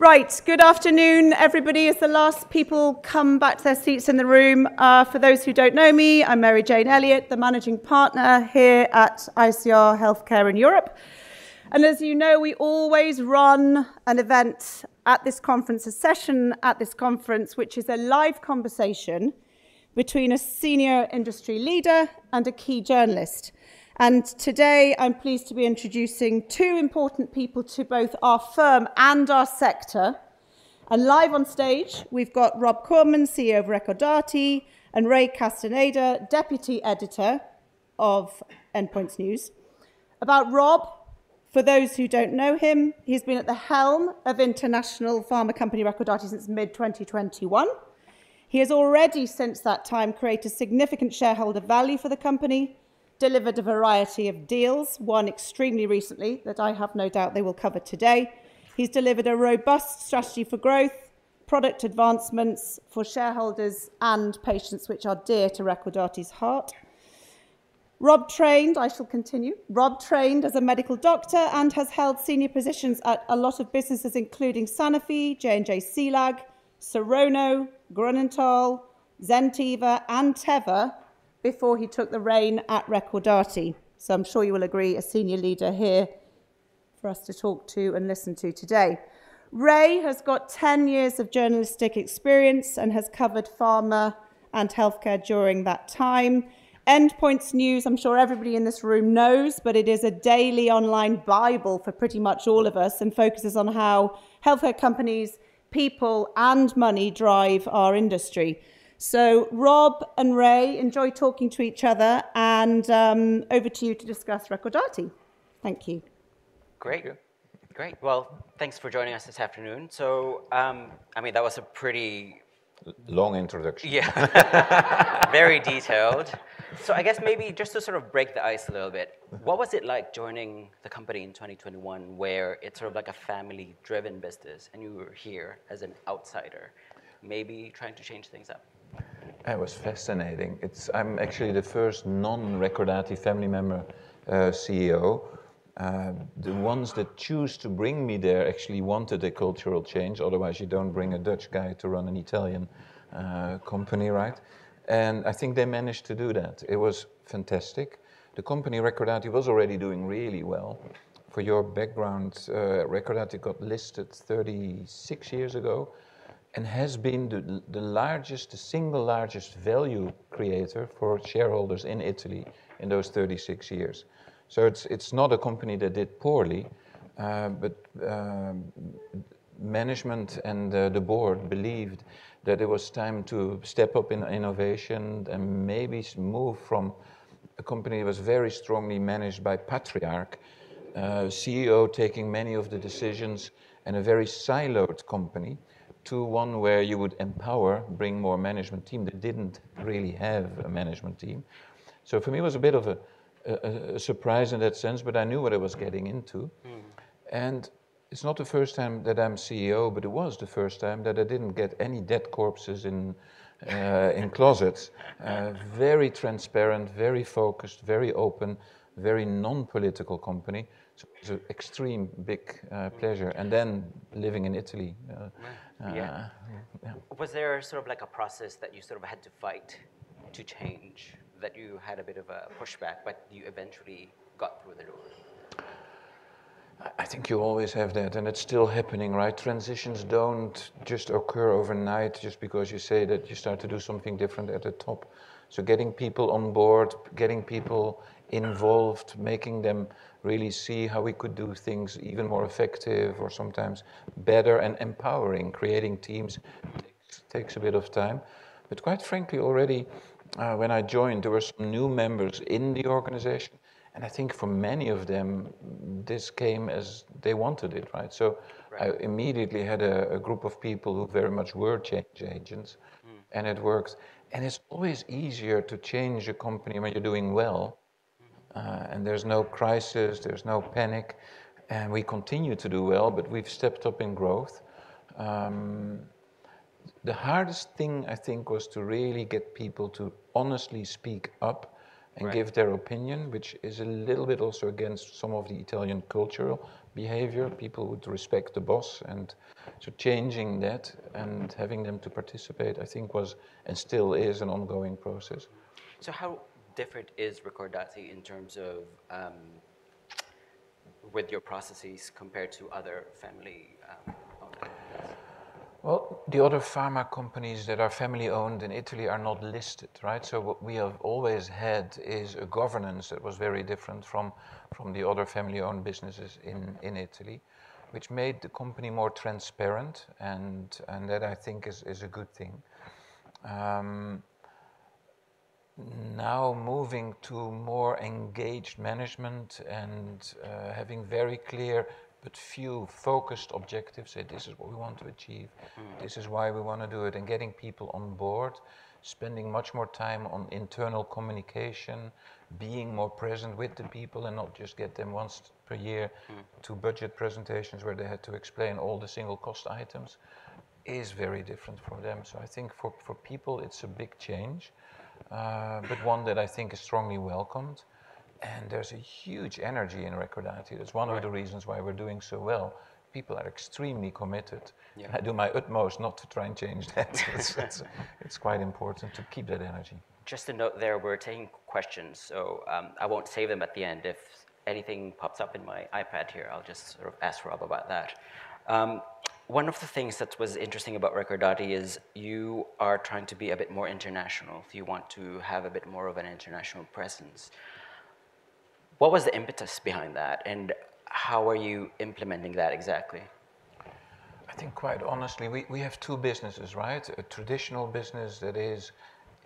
Right, good afternoon, everybody. As the last people come back to their seats in the room, for those who don't know me, I'm Mary Jane Elliott, the Managing Partner here at ICR Healthcare in Europe. And as you know, we always run an event at this conference, a session at this conference, which is a live conversation between a senior industry leader and a key journalist. And today, I'm pleased to be introducing two important people to both our firm and our sector. And live on stage, we've got Rob Koremans, CEO of Recordati, and Ray Castaneda, Deputy Editor of Endpoints News. About Rob, for those who don't know him, he's been at the helm of the international pharma company Recordati since mid-2021. He has already, since that time, created significant shareholder value for the company, delivered a variety of deals, one extremely recently that I have no doubt they will cover today. He's delivered a robust strategy for growth, product advancements for shareholders and patients, which are dear to Recordati's heart. Rob trained as a medical doctor and has held senior positions at a lot of businesses, including Sanofi, Janssen-Cilag, Serono, Grünenthal, Zentiva, and Teva before he took the reins at Recordati. So I'm sure you will agree, a senior leader here for us to talk to and listen to today. Rey has got 10 years of journalistic experience and has covered pharma and healthcare during that time. Endpoints News, I'm sure everybody in this room knows, but it is a daily online Bible for pretty much all of us and focuses on how healthcare companies, people, and money drive our industry. So Rob and Ray enjoy talking to each other, and over to you to discuss Recordati. Thank you. Great. Great. Well, thanks for joining us this afternoon. So I mean, that was a pretty. Long introduction. Yeah. Very detailed. So I guess maybe just to sort of break the ice a little bit, what was it like joining the company in 2021 where it's sort of like a family-driven business and you were here as an outsider, maybe trying to change things up? It was fascinating. I'm actually the first non-Recordati family member CEO. The ones that chose to bring me there actually wanted a cultural change. Otherwise, you don't bring a Dutch guy to run an Italian company, right? And I think they managed to do that. It was fantastic. The company Recordati was already doing really well. For your background, Recordati got listed 36 years ago and has been the largest, the single largest value creator for shareholders in Italy in those 36 years. So it's not a company that did poorly, but management and the board believed that it was time to step up in innovation and maybe move from a company that was very strongly managed by patriarch CEO, taking many of the decisions and a very siloed company to one where you would empower, bring more management team that didn't really have a management team. So for me, it was a bit of a surprise in that sense, but I knew what I was getting into. And it's not the first time that I'm CEO, but it was the first time that I didn't get any dead corpses in closets. Very transparent, very focused, very open, very non-political company. So it's an extreme big pleasure. And then living in Italy. Was there sort of like a process that you sort of had to fight to change that you had a bit of a pushback, but you eventually got through the door? I think you always have that, and it's still happening, right? Transitions don't just occur overnight just because you say that you start to do something different at the top. So getting people on board, getting people involved, making them really see how we could do things even more effective or sometimes better and empowering, creating teams takes a bit of time. But quite frankly, already when I joined, there were some new members in the organization, and I think for many of them, this came as they wanted it, right? So I immediately had a group of people who very much were change agents, and it works. And it's always easier to change a company when you're doing well, and there's no crisis, there's no panic, and we continue to do well, but we've stepped up in growth. The hardest thing, I think, was to really get people to honestly speak up and give their opinion, which is a little bit also against some of the Italian cultural behavior. People would respect the boss, and so changing that and having them to participate, I think, was and still is an ongoing process. So how different is Recordati in terms of with your processes compared to other family-owned companies? The other pharma companies that are family-owned in Italy are not listed, right? So what we have always had is a governance that was very different from the other family-owned businesses in Italy, which made the company more transparent, and that I think is a good thing. Now moving to more engaged management and having very clear but few focused objectives, say, this is what we want to achieve, this is why we want to do it, and getting people on board, spending much more time on internal communication, being more present with the people and not just get them once per year to budget presentations where they had to explain all the single cost items is very different for them. So I think for people, it's a big change, but one that I think is strongly welcomed. There's a huge energy in Recordati. That's one of the reasons why we're doing so well. People are extremely committed, and I do my utmost not to try and change that. It's quite important to keep that energy. Just to note there, we're taking questions, so I won't save them at the end. If anything pops up in my iPad here, I'll just sort of ask Rob about that. One of the things that was interesting about Recordati is you are trying to be a bit more international if you want to have a bit more of an international presence. What was the impetus behind that, and how are you implementing that exactly? I think quite honestly, we have two businesses, right? A traditional business that is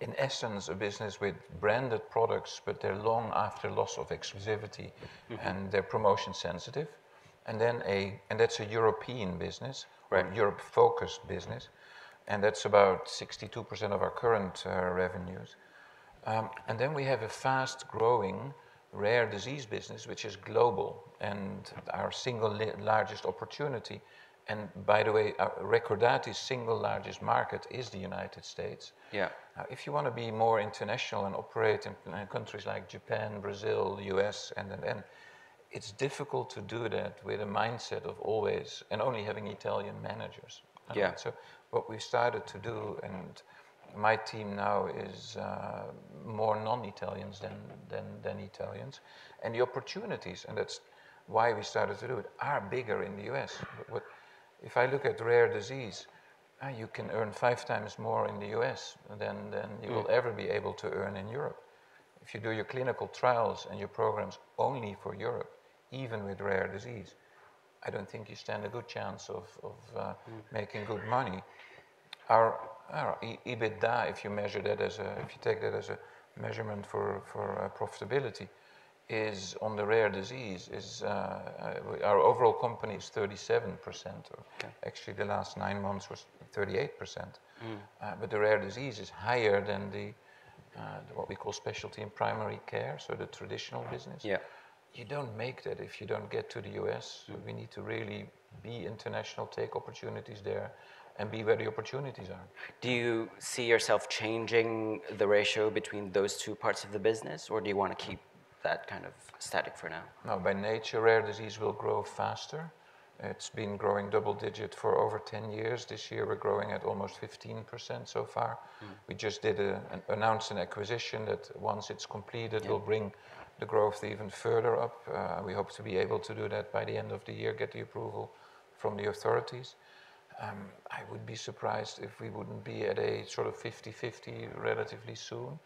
in essence a business with branded products, but they're long after loss of exclusivity and they're promotion sensitive. And then, and that's a European business, Europe-focused business, and that's about 62% of our current revenues. And then we have a fast-growing rare disease business, which is global and our single largest opportunity. And by the way, Recordati's single largest market is the United States. Now, if you want to be more international and operate in countries like Japan, Brazil, US, and it's difficult to do that with a mindset of always and only having Italian managers. So what we've started to do, and my team now is more non-Italians than Italians, and the opportunities, and that's why we started to do it, are bigger in the US. If I look at rare disease, you can earn five times more in the U.S. than you will ever be able to earn in Europe. If you do your clinical trials and your programs only for Europe, even with rare disease, I don't think you stand a good chance of making good money. Our EBITDA, if you measure that as a, if you take that as a measurement for profitability, is on the rare disease. Our overall company is 37%, or actually the last nine months was 38%, but the rare disease is higher than what we call specialty and primary care, so the traditional business. You don't make that if you don't get to the U.S. We need to really be international, take opportunities there, and be where the opportunities are. Do you see yourself changing the ratio between those two parts of the business, or do you want to keep that kind of static for now? No, by nature, rare disease will grow faster. It's been growing double digit for over 10 years. This year, we're growing at almost 15% so far. We just did announce an acquisition that once it's completed, we'll bring the growth even further up. We hope to be able to do that by the end of the year, get the approval from the authorities. I would be surprised if we wouldn't be at a sort of 50/50 relatively soon.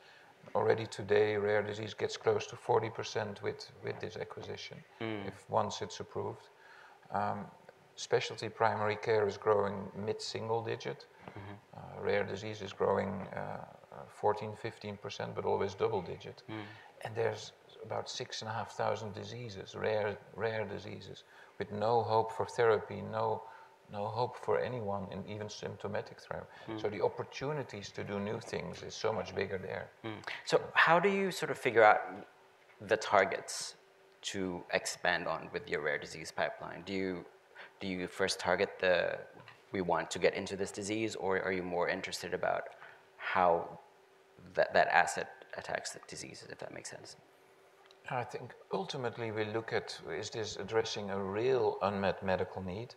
Already today, rare disease gets close to 40% with this acquisition if once it's approved. Specialty primary care is growing mid-single digit. Rare disease is growing 14%-15%, but always double digit. And there's about 6,500 diseases, rare diseases, with no hope for therapy, no hope for anyone in even symptomatic therapy. So the opportunities to do new things is so much bigger there. So how do you sort of figure out the targets to expand on with your rare disease pipeline? Do you first target the, we want to get into this disease, or are you more interested about how that asset attacks the disease, if that makes sense? I think ultimately we look at, is this addressing a real unmet medical need?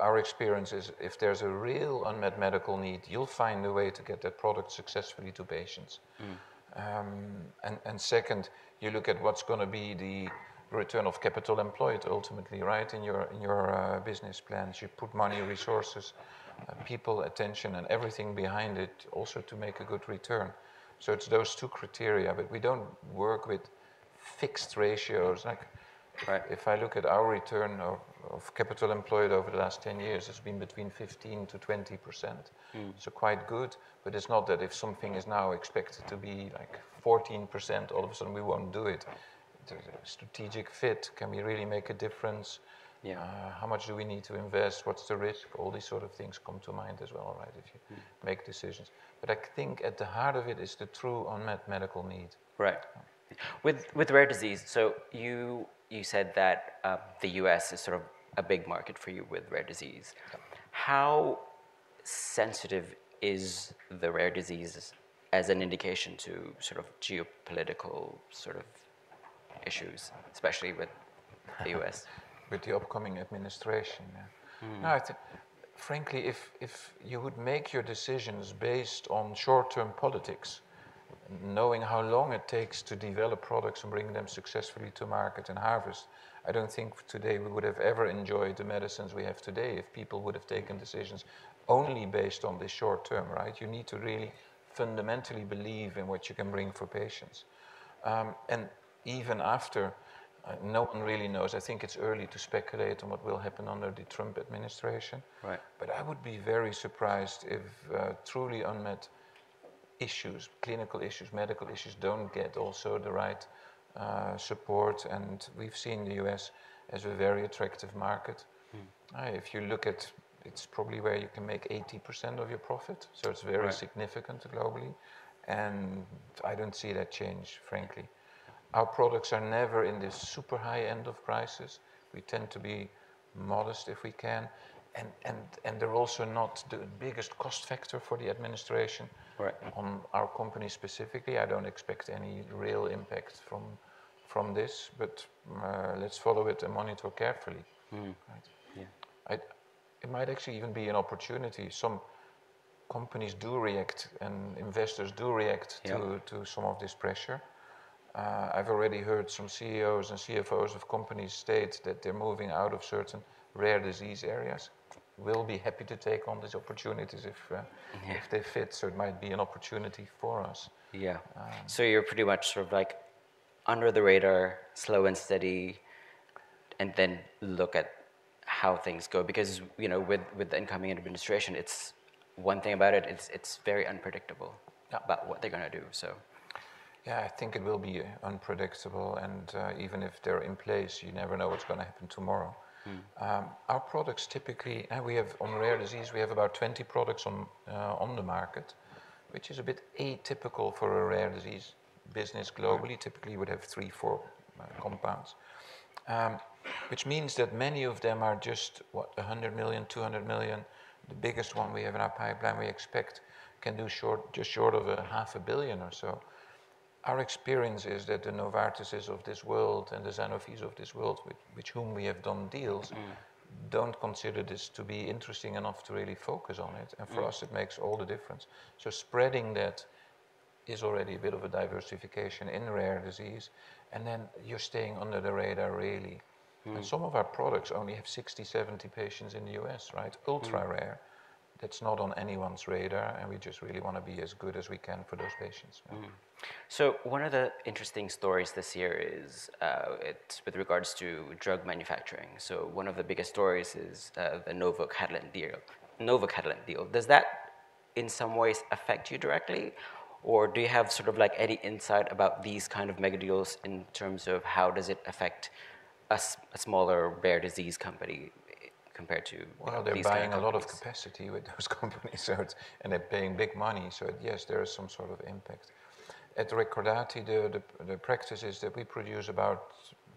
Our experience is if there's a real unmet medical need, you'll find a way to get that product successfully to patients. Second, you look at what's going to be the return of capital employed ultimately, right, in your business plans. You put money, resources, people, attention, and everything behind it also to make a good return. It's those two criteria, but we don't work with fixed ratios. If I look at our return of capital employed over the last 10 years, it's been between 15%-20%. Quite good, but it's not that if something is now expected to be like 14%, all of a sudden we won't do it. Strategic fit, can we really make a difference? How much do we need to invest? What's the risk? All these sort of things come to mind as well, right, if you make decisions, but I think at the heart of it is the true unmet medical need. Right. With rare disease, so you said that the U.S. is sort of a big market for you with rare disease. How sensitive is the rare disease as an indication to sort of geopolitical sort of issues, especially with the U.S.? With the upcoming administration, yeah. No, I think frankly, if you would make your decisions based on short-term politics, knowing how long it takes to develop products and bring them successfully to market and harvest, I don't think today we would have ever enjoyed the medicines we have today if people would have taken decisions only based on the short term, right? You need to really fundamentally believe in what you can bring for patients. And even after, no one really knows. I think it's early to speculate on what will happen under the Trump administration. But I would be very surprised if truly unmet issues, clinical issues, medical issues don't get also the right support. And we've seen the U.S. as a very attractive market. If you look at, it's probably where you can make 80% of your profit. So it's very significant globally. I don't see that change, frankly. Our products are never in this super high end of prices. We tend to be modest if we can. And they're also not the biggest cost factor for the administration on our company specifically. I don't expect any real impact from this, but let's follow it and monitor carefully. It might actually even be an opportunity. Some companies do react and investors do react to some of this pressure. I've already heard some CEOs and CFOs of companies state that they're moving out of certain rare disease areas. We'll be happy to take on these opportunities if they fit. It might be an opportunity for us. Yeah, so you're pretty much sort of like under the radar, slow and steady, and then look at how things go. Because with the incoming administration, it's one thing about it, it's very unpredictable about what they're going to do, so. Yeah, I think it will be unpredictable, and even if they're in place, you never know what's going to happen tomorrow. Our products typically, we have on rare disease, we have about 20 products on the market, which is a bit atypical for a rare disease business globally. Typically, we would have three, four compounds, which means that many of them are just, what, €100 million, €200 million. The biggest one we have in our pipeline we expect can do just short of €500 million or so. Our experience is that the Novartises of this world and the Sanofis of this world, with whom we have done deals, don't consider this to be interesting enough to really focus on it, and for us, it makes all the difference, so spreading that is already a bit of a diversification in rare disease. Then you're staying under the radar, really. Some of our products only have 60, 70 patients in the U.S., right? Ultra rare. That's not on anyone's radar, and we just really want to be as good as we can for those patients. One of the interesting stories this year is with regards to drug manufacturing. One of the biggest stories is the Novo-Catalent deal. Does that in some ways affect you directly, or do you have sort of like any insight about these kind of mega deals in terms of how does it affect a smaller rare disease company compared to these? They're buying a lot of capacity with those companies, and they're paying big money. Yes, there is some sort of impact. At Recordati, the practice is that we produce about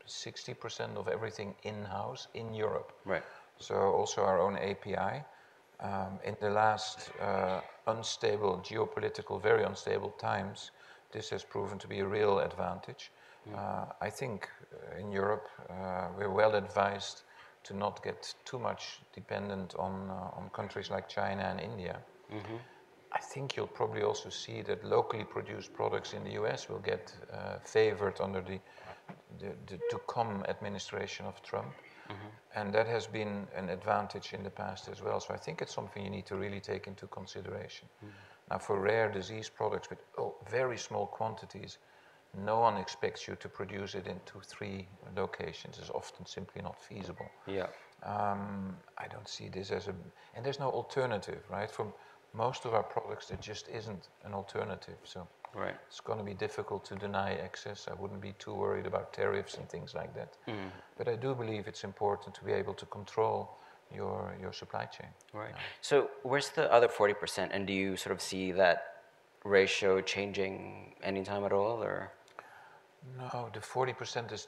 60% of everything in-house in Europe. Also our own API. In the last unstable geopolitical, very unstable times, this has proven to be a real advantage. I think in Europe, we're well advised to not get too much dependent on countries like China and India. I think you'll probably also see that locally produced products in the U.S. will get favored under the to-come administration of Trump. That has been an advantage in the past as well. I think it's something you need to really take into consideration. Now, for rare disease products with very small quantities, no one expects you to produce it in two, three locations. It's often simply not feasible. I don't see this as a, and there's no alternative, right? For most of our products, there just isn't an alternative. So it's going to be difficult to deny access. I wouldn't be too worried about tariffs and things like that. But I do believe it's important to be able to control your supply chain. So where's the other 40%? And do you sort of see that ratio changing anytime at all, or? No, the 40% is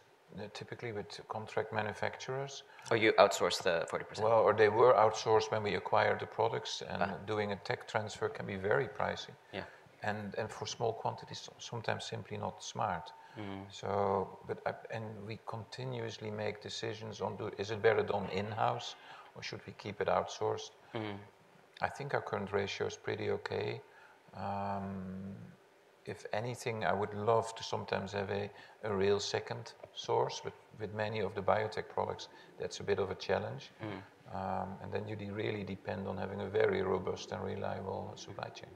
typically with contract manufacturers. Oh, you outsource the 40%. Or they were outsourced when we acquired the products, and doing a tech transfer can be very pricey. And for small quantities, sometimes simply not smart. And we continuously make decisions on, is it better done in-house, or should we keep it outsourced? I think our current ratio is pretty okay. If anything, I would love to sometimes have a real second source, but with many of the biotech products, that's a bit of a challenge. And then you really depend on having a very robust and reliable supply chain.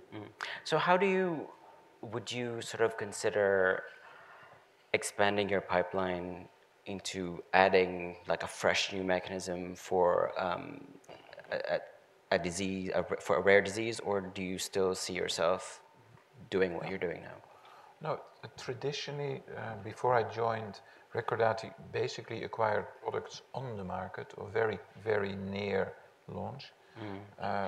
So would you sort of consider expanding your pipeline into adding like a fresh new mechanism for a disease, for a rare disease, or do you still see yourself doing what you're doing now? No, traditionally, before I joined, Recordati basically acquired products on the market or very, very near launch,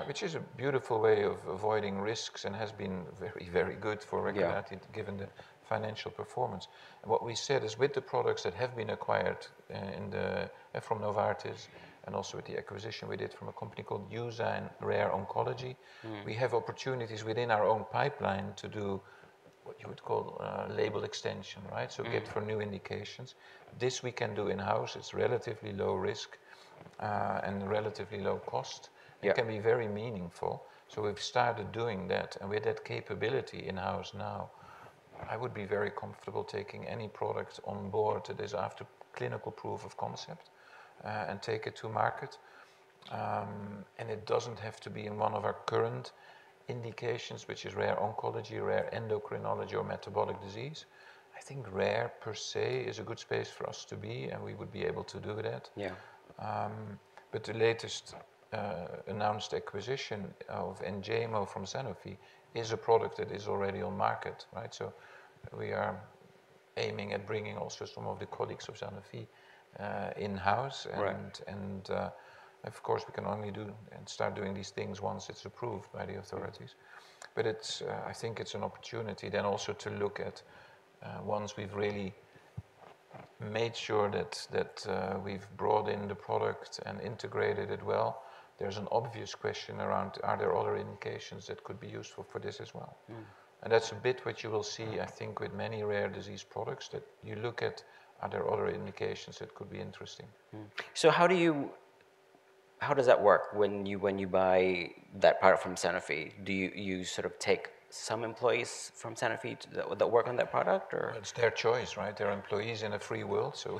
which is a beautiful way of avoiding risks and has been very, very good for Recordati given the financial performance. What we said is with the products that have been acquired from Novartis and also with the acquisition we did from a company called EUSA Pharma, we have opportunities within our own pipeline to do what you would call label extension, right? So get for new indications. This we can do in-house. It's relatively low risk and relatively low cost. It can be very meaningful. So we've started doing that. And with that capability in-house now, I would be very comfortable taking any product on board that is after clinical proof of concept and take it to market. It doesn't have to be in one of our current indications, which is rare oncology, rare endocrinology, or metabolic disease. I think rare per se is a good space for us to be, and we would be able to do that. But the latest announced acquisition of Enjaymo from Sanofi is a product that is already on market, right? So we are aiming at bringing also some of the colleagues of Sanofi in-house. And of course, we can only do and start doing these things once it's approved by the authorities. But I think it's an opportunity then also to look at once we've really made sure that we've brought in the product and integrated it well, there's an obvious question around, are there other indications that could be useful for this as well? That's a bit what you will see, I think, with many rare disease products that you look at. Are there other indications that could be interesting? So how do you, how does that work when you buy that product from Sanofi? Do you sort of take some employees from Sanofi that work on that product, or? It's their choice, right? They're employees in a free world. So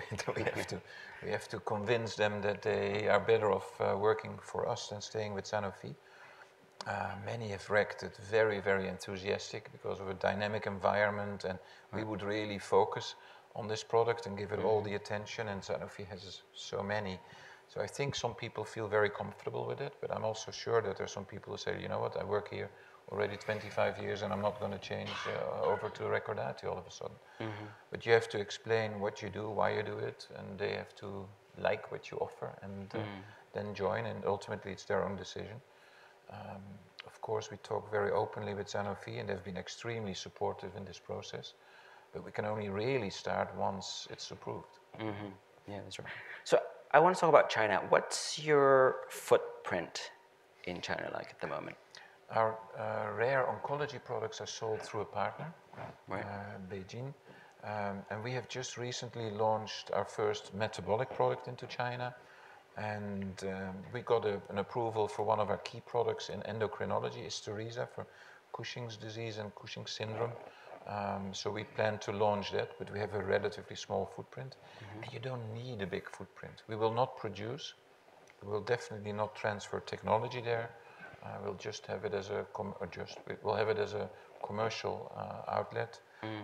we have to convince them that they are better off working for us than staying with Sanofi. Many have reacted very, very enthusiastic because of a dynamic environment. And we would really focus on this product and give it all the attention. And Sanofi has so many. So I think some people feel very comfortable with it, but I'm also sure that there are some people who say, you know what, I work here already 25 years, and I'm not going to change over to Recordati all of a sudden. But you have to explain what you do, why you do it, and they have to like what you offer and then join. And ultimately, it's their own decision. Of course, we talk very openly with Sanofi, and they've been extremely supportive in this process. But we can only really start once it's approved. Yeah, that's right. So I want to talk about China. What's your footprint in China like at the moment? Our rare oncology products are sold through a partner, BeiGene, and we have just recently launched our first metabolic product into China, and we got an approval for one of our key products in endocrinology, Isturisa for Cushing’s disease and Cushing’s syndrome, so we plan to launch that, but we have a relatively small footprint, and you don't need a big footprint. We will not produce. We will definitely not transfer technology there. We'll just have it as a commercial outlet,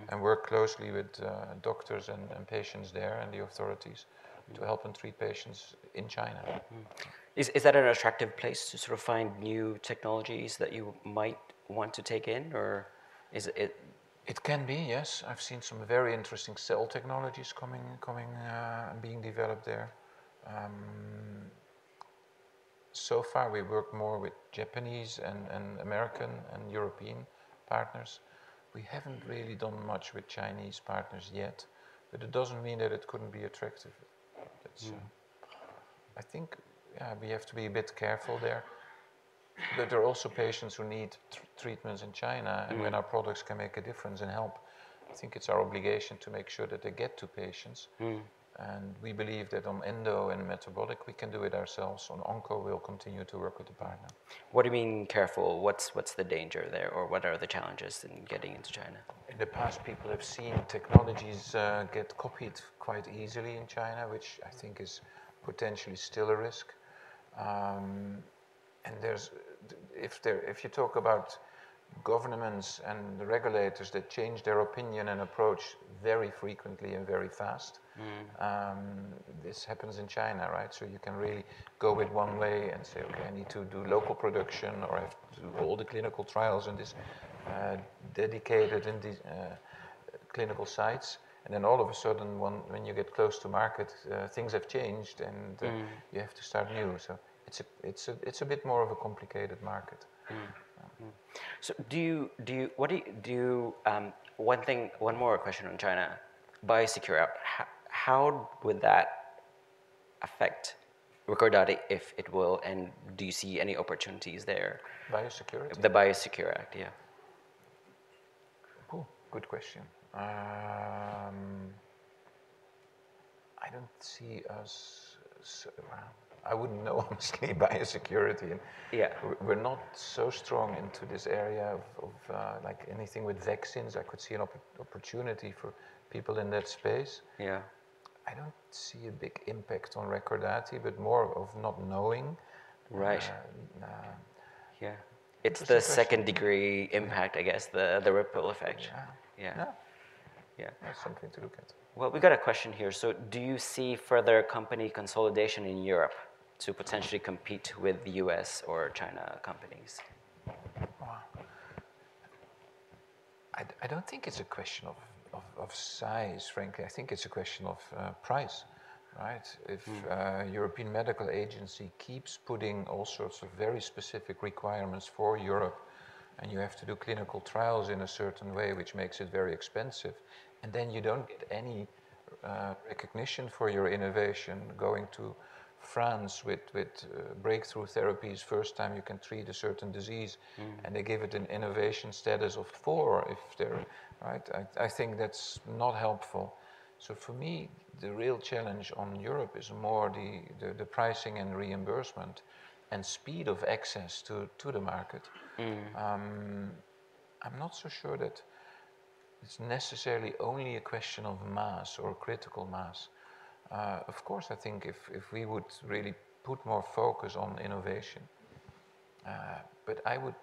and work closely with doctors and patients there and the authorities to help and treat patients in China. Is that an attractive place to sort of find new technologies that you might want to take in, or is it? It can be, yes. I've seen some very interesting cell technologies coming and being developed there. So far, we work more with Japanese and American and European partners. We haven't really done much with Chinese partners yet, but it doesn't mean that it couldn't be attractive. I think, yeah, we have to be a bit careful there, but there are also patients who need treatments in China, and when our products can make a difference and help, I think it's our obligation to make sure that they get to patients, and we believe that on endo and metabolic, we can do it ourselves. On onco, we'll continue to work with the partner. What do you mean careful? What's the danger there, or what are the challenges in getting into China? In the past, people have seen technologies get copied quite easily in China, which I think is potentially still a risk. And if you talk about governments and regulators that change their opinion and approach very frequently and very fast, this happens in China, right? So you can really go with one way and say, okay, I need to do local production, or I have to do all the clinical trials in these dedicated clinical sites. And then all of a sudden, when you get close to market, things have changed and you have to start new. So it's a bit more of a complicated market. So do you, one more question on China, Biosecure Act? How would that affect Recordati if it will? And do you see any opportunities there? Biosecure Act? The Biosecure Act, yeah. Cool. Good question. I don't see us. I wouldn't know, honestly, Biosecure Act. We're not so strong into this area of anything with vaccines. I could see an opportunity for people in that space. I don't see a big impact on Recordati, but more of not knowing. Right. Yeah. It's the second degree impact, I guess, the ripple effect. Yeah. Yeah. That's something to look at. We've got a question here. Do you see further company consolidation in Europe to potentially compete with the U.S. or China companies? I don't think it's a question of size, frankly. I think it's a question of price, right? If a European medical agency keeps putting all sorts of very specific requirements for Europe and you have to do clinical trials in a certain way, which makes it very expensive, and then you don't get any recognition for your innovation going to France with breakthrough therapies, first time you can treat a certain disease, and they give it an innovation status of four, right? I think that's not helpful. So for me, the real challenge on Europe is more the pricing and reimbursement and speed of access to the market. I'm not so sure that it's necessarily only a question of mass or critical mass. Of course, I think if we would really put more focus on innovation, but I would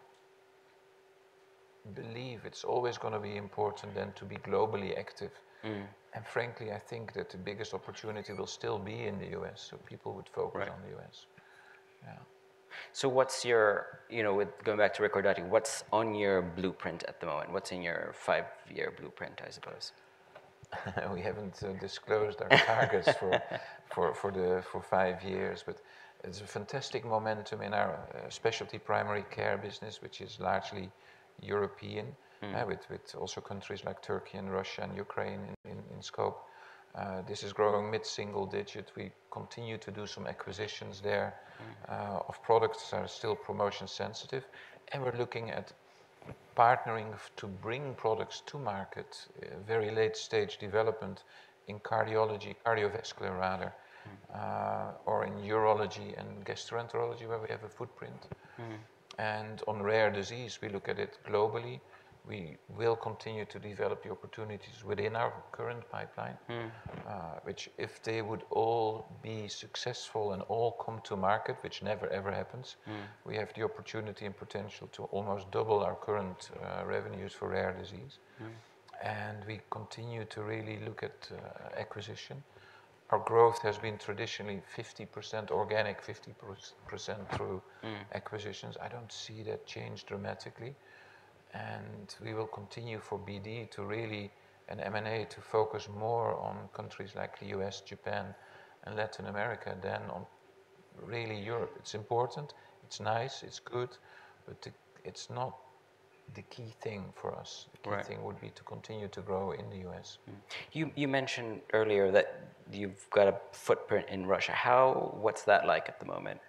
believe it's always going to be important then to be globally active, and frankly, I think that the biggest opportunity will still be in the U.S., so people would focus on the U.S. So what's your, you know, going back to Recordati, what's on your blueprint at the moment? What's in your five-year blueprint, I suppose? We haven't disclosed our targets for five years, but it's a fantastic momentum in our specialty primary care business, which is largely European, with also countries like Turkey and Russia and Ukraine in scope. This is growing mid-single digit. We continue to do some acquisitions there of products that are still promotion sensitive. And we're looking at partnering to bring products to market, very late stage development in cardiology, cardiovascular rather, or in urology and gastroenterology where we have a footprint. And on rare disease, we look at it globally. We will continue to develop the opportunities within our current pipeline, which if they would all be successful and all come to market, which never, ever happens, we have the opportunity and potential to almost double our current revenues for rare disease. And we continue to really look at acquisition. Our growth has been traditionally 50% organic, 50% through acquisitions. I don't see that changed dramatically, and we will continue for BD to really, and M&A to focus more on countries like the U.S., Japan, and Latin America than on really Europe. It's important. It's nice. It's good, but it's not the key thing for us. The key thing would be to continue to grow in the U.S. You mentioned earlier that you've got a footprint in Russia. What's that like at the moment?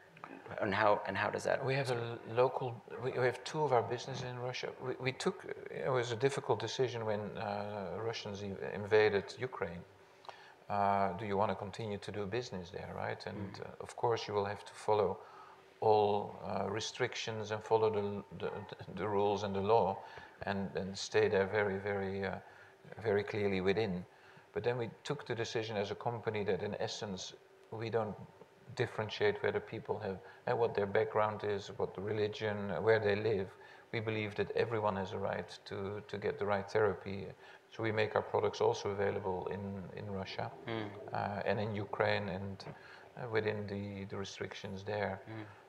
And how does that? We have a local. We have two of our businesses in Russia. It was a difficult decision when Russians invaded Ukraine. Do you want to continue to do business there, right? And of course, you will have to follow all restrictions and follow the rules and the law and stay there very, very clearly within. But then we took the decision as a company that in essence, we don't differentiate whether people have what their background is, what religion, where they live. We believe that everyone has a right to get the right therapy. So we make our products also available in Russia and in Ukraine and within the restrictions there.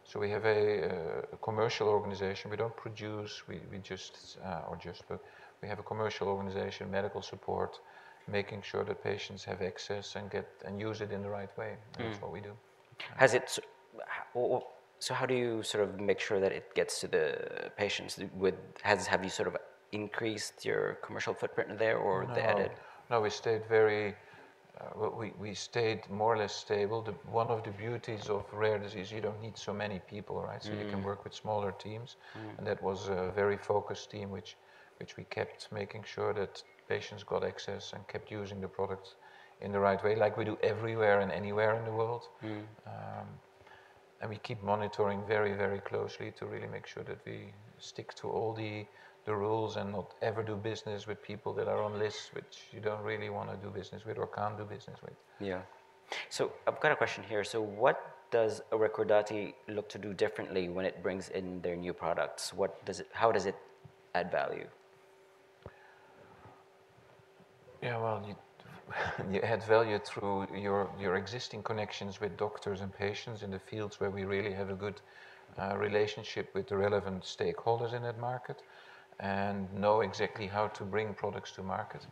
So we have a commercial organization. We don't produce, but we have a commercial organization, medical support, making sure that patients have access and use it in the right way. That's what we do. So how do you sort of make sure that it gets to the patients? Have you sort of increased your commercial footprint there or added? No, we stayed more or less stable. One of the beauties of rare disease, you don't need so many people, right? So you can work with smaller teams. And that was a very focused team, which we kept making sure that patients got access and kept using the products in the right way, like we do everywhere and anywhere in the world. And we keep monitoring very, very closely to really make sure that we stick to all the rules and not ever do business with people that are on lists, which you don't really want to do business with or can't do business with. Yeah. So I've got a question here. So what does a Recordati look to do differently when it brings in their new products? How does it add value? Yeah, well, you add value through your existing connections with doctors and patients in the fields where we really have a good relationship with the relevant stakeholders in that market and know exactly how to bring products to market.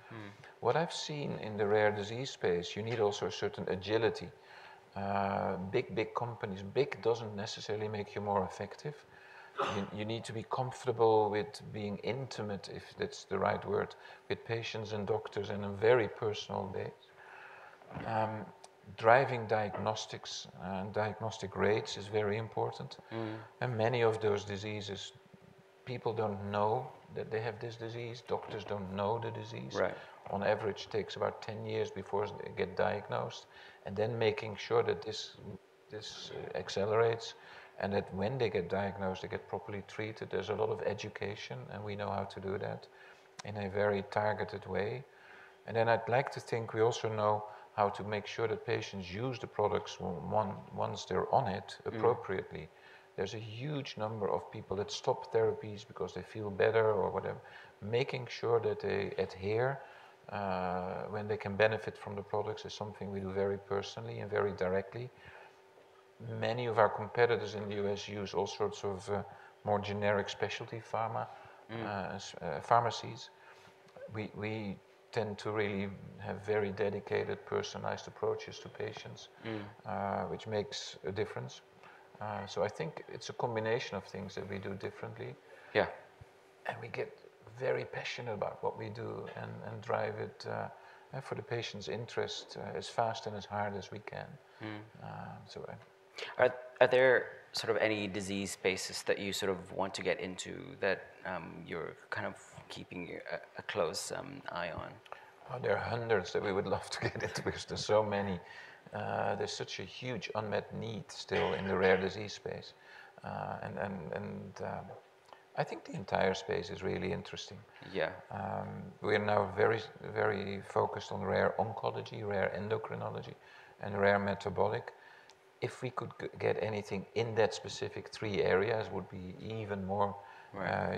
What I've seen in the rare disease space, you need also a certain agility. Big, big companies, big doesn't necessarily make you more effective. You need to be comfortable with being intimate, if that's the right word, with patients and doctors in a very personal way. Driving diagnostics and diagnostic rates is very important. And many of those diseases, people don't know that they have this disease. Doctors don't know the disease. On average, it takes about 10 years before they get diagnosed. And then making sure that this accelerates and that when they get diagnosed, they get properly treated. There's a lot of education, and we know how to do that in a very targeted way, and then I'd like to think we also know how to make sure that patients use the products once they're on it appropriately. There's a huge number of people that stop therapies because they feel better or whatever. Making sure that they adhere when they can benefit from the products is something we do very personally and very directly. Many of our competitors in the U.S. use all sorts of more generic specialty pharmacies. We tend to really have very dedicated, personalized approaches to patients, which makes a difference, so I think it's a combination of things that we do differently. Yeah. And we get very passionate about what we do and drive it for the patient's interest as fast and as hard as we can. Are there sort of any disease spaces that you sort of want to get into that you're kind of keeping a close eye on? There are hundreds that we would love to get into because there's so many. There's such a huge unmet need still in the rare disease space, and I think the entire space is really interesting. Yeah. We're now very, very focused on rare oncology, rare endocrinology, and rare metabolic. If we could get anything in that specific three areas, it would be even more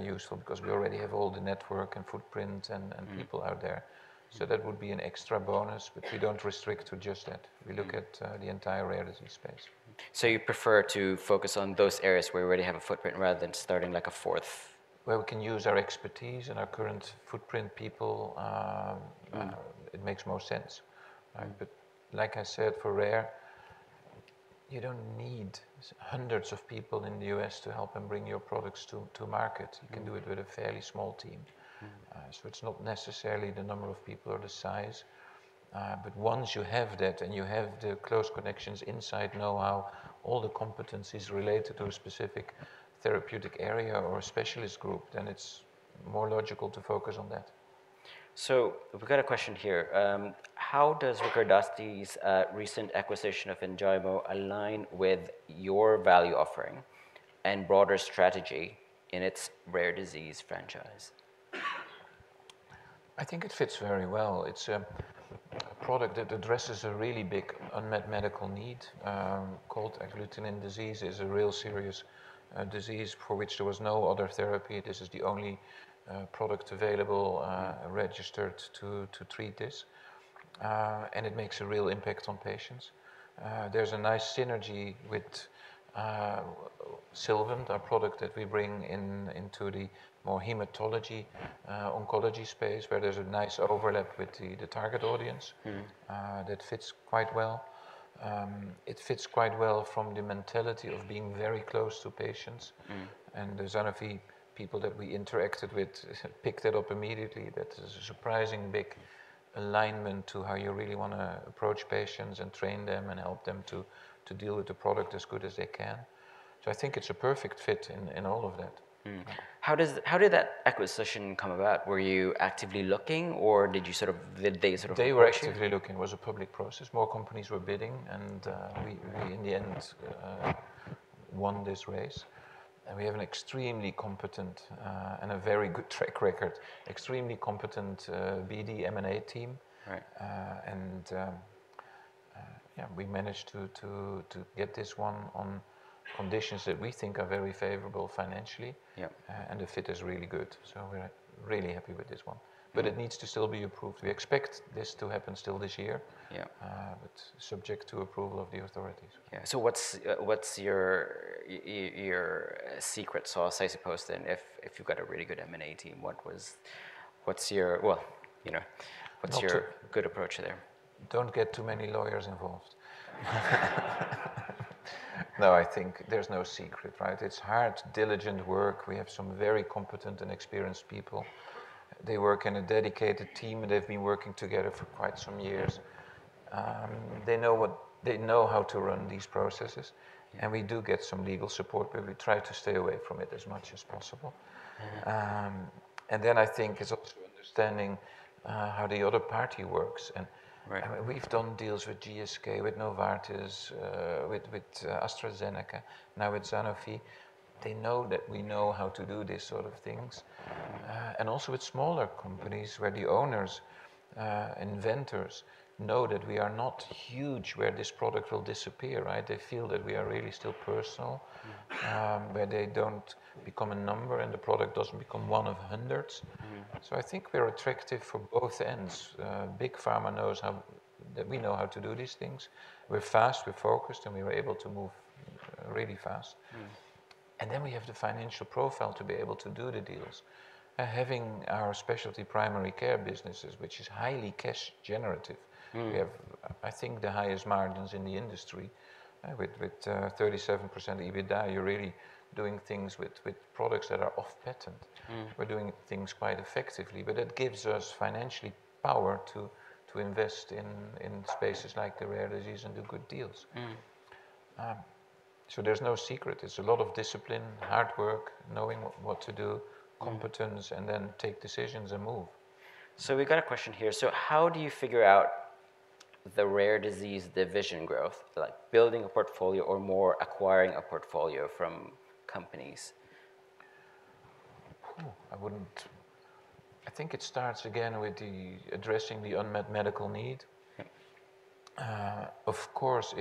useful because we already have all the network and footprint and people out there, so that would be an extra bonus, but we don't restrict to just that. We look at the entire rare disease space. So you prefer to focus on those areas where you already have a footprint rather than starting like a fourth? Where we can use our expertise and our current footprint people, it makes more sense. But like I said, for rare, you don't need hundreds of people in the U.S. to help and bring your products to market. You can do it with a fairly small team. So it's not necessarily the number of people or the size. But once you have that and you have the close connections inside know-how, all the competencies related to a specific therapeutic area or a specialist group, then it's more logical to focus on that. We've got a question here. How does Recordati's recent acquisition of Enjaymo align with your value offering and broader strategy in its rare disease franchise? I think it fits very well. It's a product that addresses a really big unmet medical need called cold agglutinin disease. It's a really serious disease for which there was no other therapy. This is the only product available registered to treat this, and it makes a real impact on patients. There's a nice synergy with Sylvant, our product that we bring into the more hematology oncology space, where there's a nice overlap with the target audience that fits quite well. It fits quite well from the mentality of being very close to patients, and the Sanofi people that we interacted with picked it up immediately. That is a surprisingly big alignment to how you really want to approach patients and train them and help them to deal with the product as good as they can, so I think it's a perfect fit in all of that. How did that acquisition come about? Were you actively looking or did you sort of, did they sort of? They were actively looking. It was a public process. More companies were bidding, and we in the end won this race. And we have an extremely competent and a very good track record, extremely competent BD M&A team. And yeah, we managed to get this one on conditions that we think are very favorable financially. And the fit is really good. So we're really happy with this one. But it needs to still be approved. We expect this to happen still this year, but subject to approval of the authorities. Yeah. So what's your secret sauce, I suppose, then? If you've got a really good M&A team, well, you know, what's your good approach there? Don't get too many lawyers involved. No, I think there's no secret, right? It's hard, diligent work. We have some very competent and experienced people. They work in a dedicated team. They've been working together for quite some years. They know how to run these processes. And we do get some legal support, but we try to stay away from it as much as possible. And then I think it's also understanding how the other party works. And we've done deals with GSK, with Novartis, with AstraZeneca, now with Sanofi. They know that we know how to do these sort of things. And also with smaller companies where the owners, inventors know that we are not huge where this product will disappear, right? They feel that we are really still personal, where they don't become a number and the product doesn't become one of hundreds. I think we're attractive for both ends. Big pharma knows that we know how to do these things. We're fast, we're focused, and we were able to move really fast. And then we have the financial profile to be able to do the deals. Having our Specialty Primary Care businesses, which is highly cash generative, we have, I think, the highest margins in the industry with 37% EBITDA. You're really doing things with products that are off patent. We're doing things quite effectively, but that gives us financial power to invest in spaces like the rare disease and do good deals. So there's no secret. It's a lot of discipline, hard work, knowing what to do, competence, and then take decisions and move. So we've got a question here. So how do you figure out the rare disease division growth, like building a portfolio or more acquiring a portfolio from companies? I think it starts again with addressing the unmet medical need. Of course,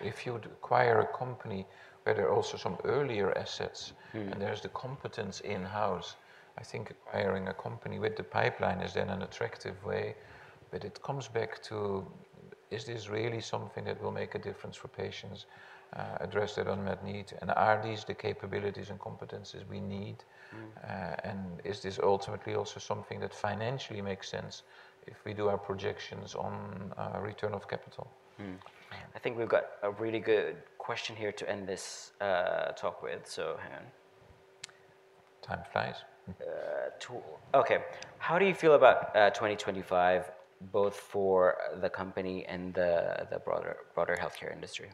if you acquire a company where there are also some earlier assets and there's the competence in-house, I think acquiring a company with the pipeline is then an attractive way. But it comes back to, is this really something that will make a difference for patients? Address that unmet need. And are these the capabilities and competencies we need? And is this ultimately also something that financially makes sense if we do our projections on return of capital? I think we've got a really good question here to end this talk with. So hang on. Time flies. Okay. How do you feel about 2025, both for the company and the broader healthcare industry?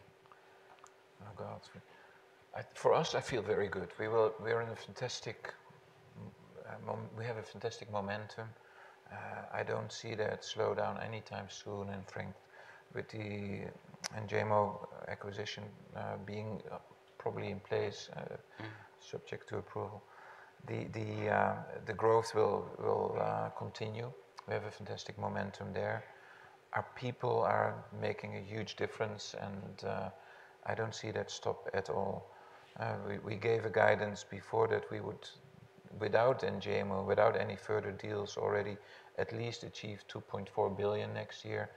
For us, I feel very good. We are in a fantastic moment. We have a fantastic momentum. I don't see that slow down anytime soon, and frankly with the Enjaymo acquisition being probably in place, subject to approval. The growth will continue. We have a fantastic momentum there. Our people are making a huge difference, and I don't see that stop at all. We gave a guidance before that we would, without Enjaymo, without any further deals already, at least achieve €2.4 billion next year,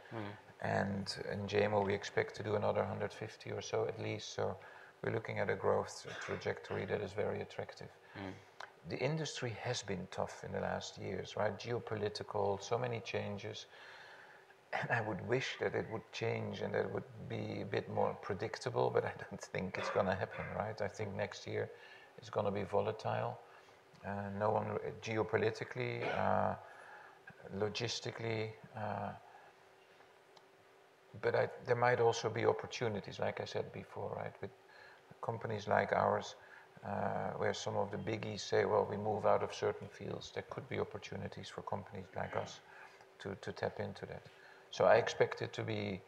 and Enjaymo, we expect to do another €150 or so at least. So we're looking at a growth trajectory that is very attractive. The industry has been tough in the last years, right? Geopolitical, so many changes, and I would wish that it would change and that it would be a bit more predictable, but I don't think it's going to happen, right? I think next year is going to be volatile. Geopolitically, logistically, but there might also be opportunities, like I said before, right? With companies like ours, where some of the biggies say, well, we move out of certain fields, there could be opportunities for companies like us to tap into that. So I expect it to be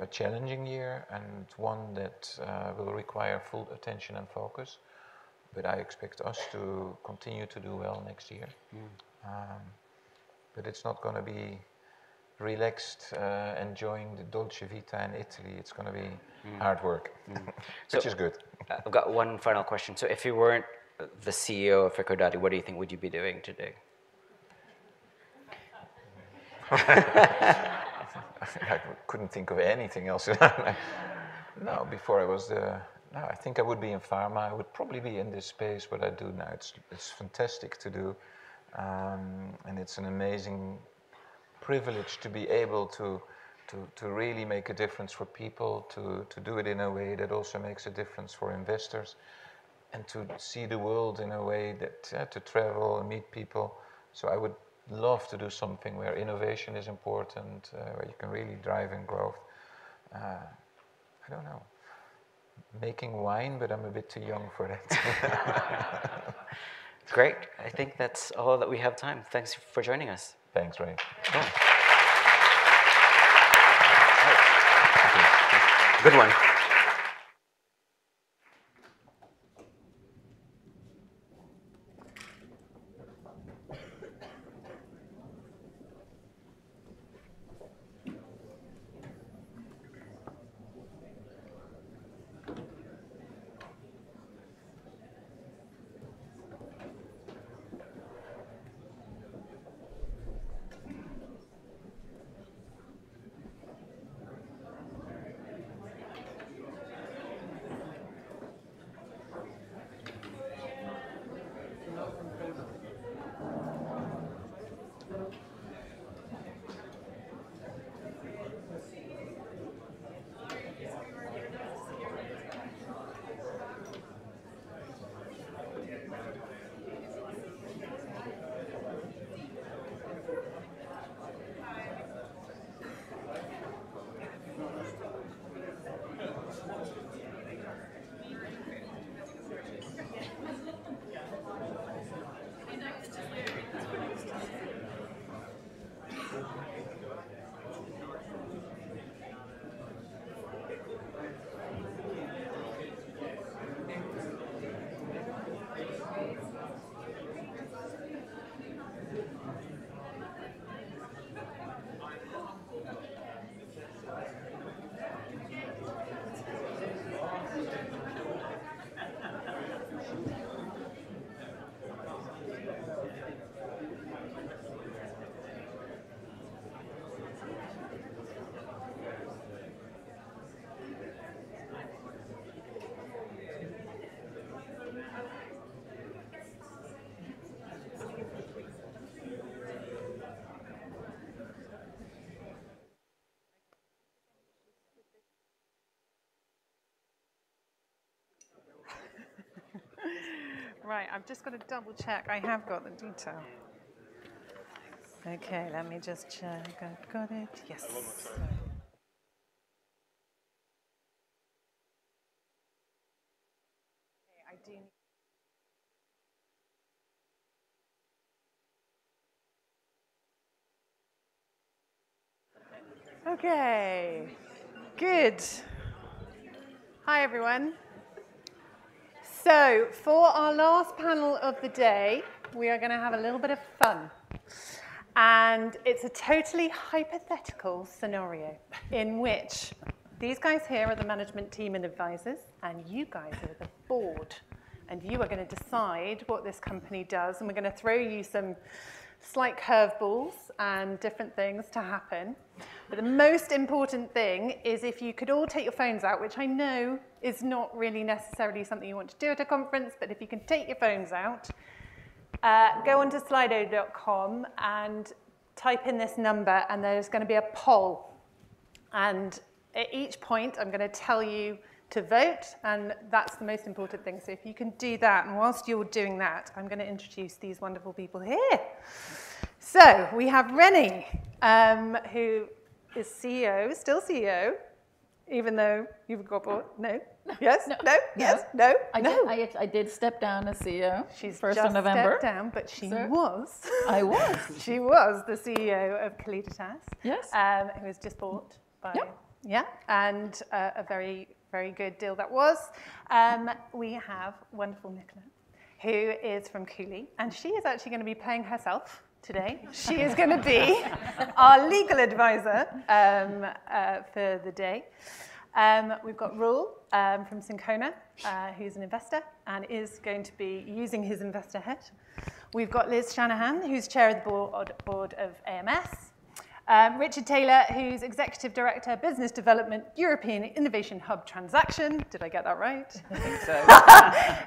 a challenging year and one that will require full attention and focus. But I expect us to continue to do well next year. But it's not going to be relaxed, enjoying the dolce vita in Italy. It's going to be hard work, which is good. I've got one final question. So if you weren't the CEO of Recordati, what do you think would you be doing today? I couldn't think of anything else. No, I think I would be in pharma. I would probably be in this space, but I do know it's fantastic to do, and it's an amazing privilege to be able to really make a difference for people, to do it in a way that also makes a difference for investors, and to see the world in a way that to travel and meet people, so I would love to do something where innovation is important, where you can really drive in growth. I don't know. Making wine, but I'm a bit too young for that. Great. I think that's all that we have time. Thanks for joining us. Thanks, Ray. Good one. Right, I've just got to double check. I have got the detail. Okay, let me just check. I've got it. Yes. Okay, I do need... Okay, good. Hi everyone. So for our last panel of the day, we are going to have a little bit of fun. And it's a totally hypothetical scenario in which these guys here are the management team and advisors, and you guys are the board. And you are going to decide what this company does. And we're going to throw you some slight curveballs and different things to happen. But the most important thing is if you could all take your phones out, which I know is not really necessarily something you want to do at a conference, but if you can take your phones out, go on to slido.com and type in this number, and there's going to be a poll. And at each point, I'm going to tell you to vote. And that's the most important thing. So if you can do that, and while you're doing that, I'm going to introduce these wonderful people here. So we have Renée, who is CEO, still CEO, even though you've got bought... No? Yes? No? Yes? No? I did step down as CEO first on November. She stepped down, but she was... I was. She was the CEO of Calliditas Therapeutics, who was just bought by... Yeah. Yeah. And a very, very good deal that was. We have wonderful Nicola, who is from Cooley, and she is actually going to be playing herself today. She is going to be our legal advisor for the day. We've got Roel from Syncona, who's an investor and is going to be using his investor head. We've got Liz Shanahan, who's chair of the board of AMS. Richard Taylor, who's Executive Director, Business Development, European Innovation Hub Transaction. Did I get that right? I think so.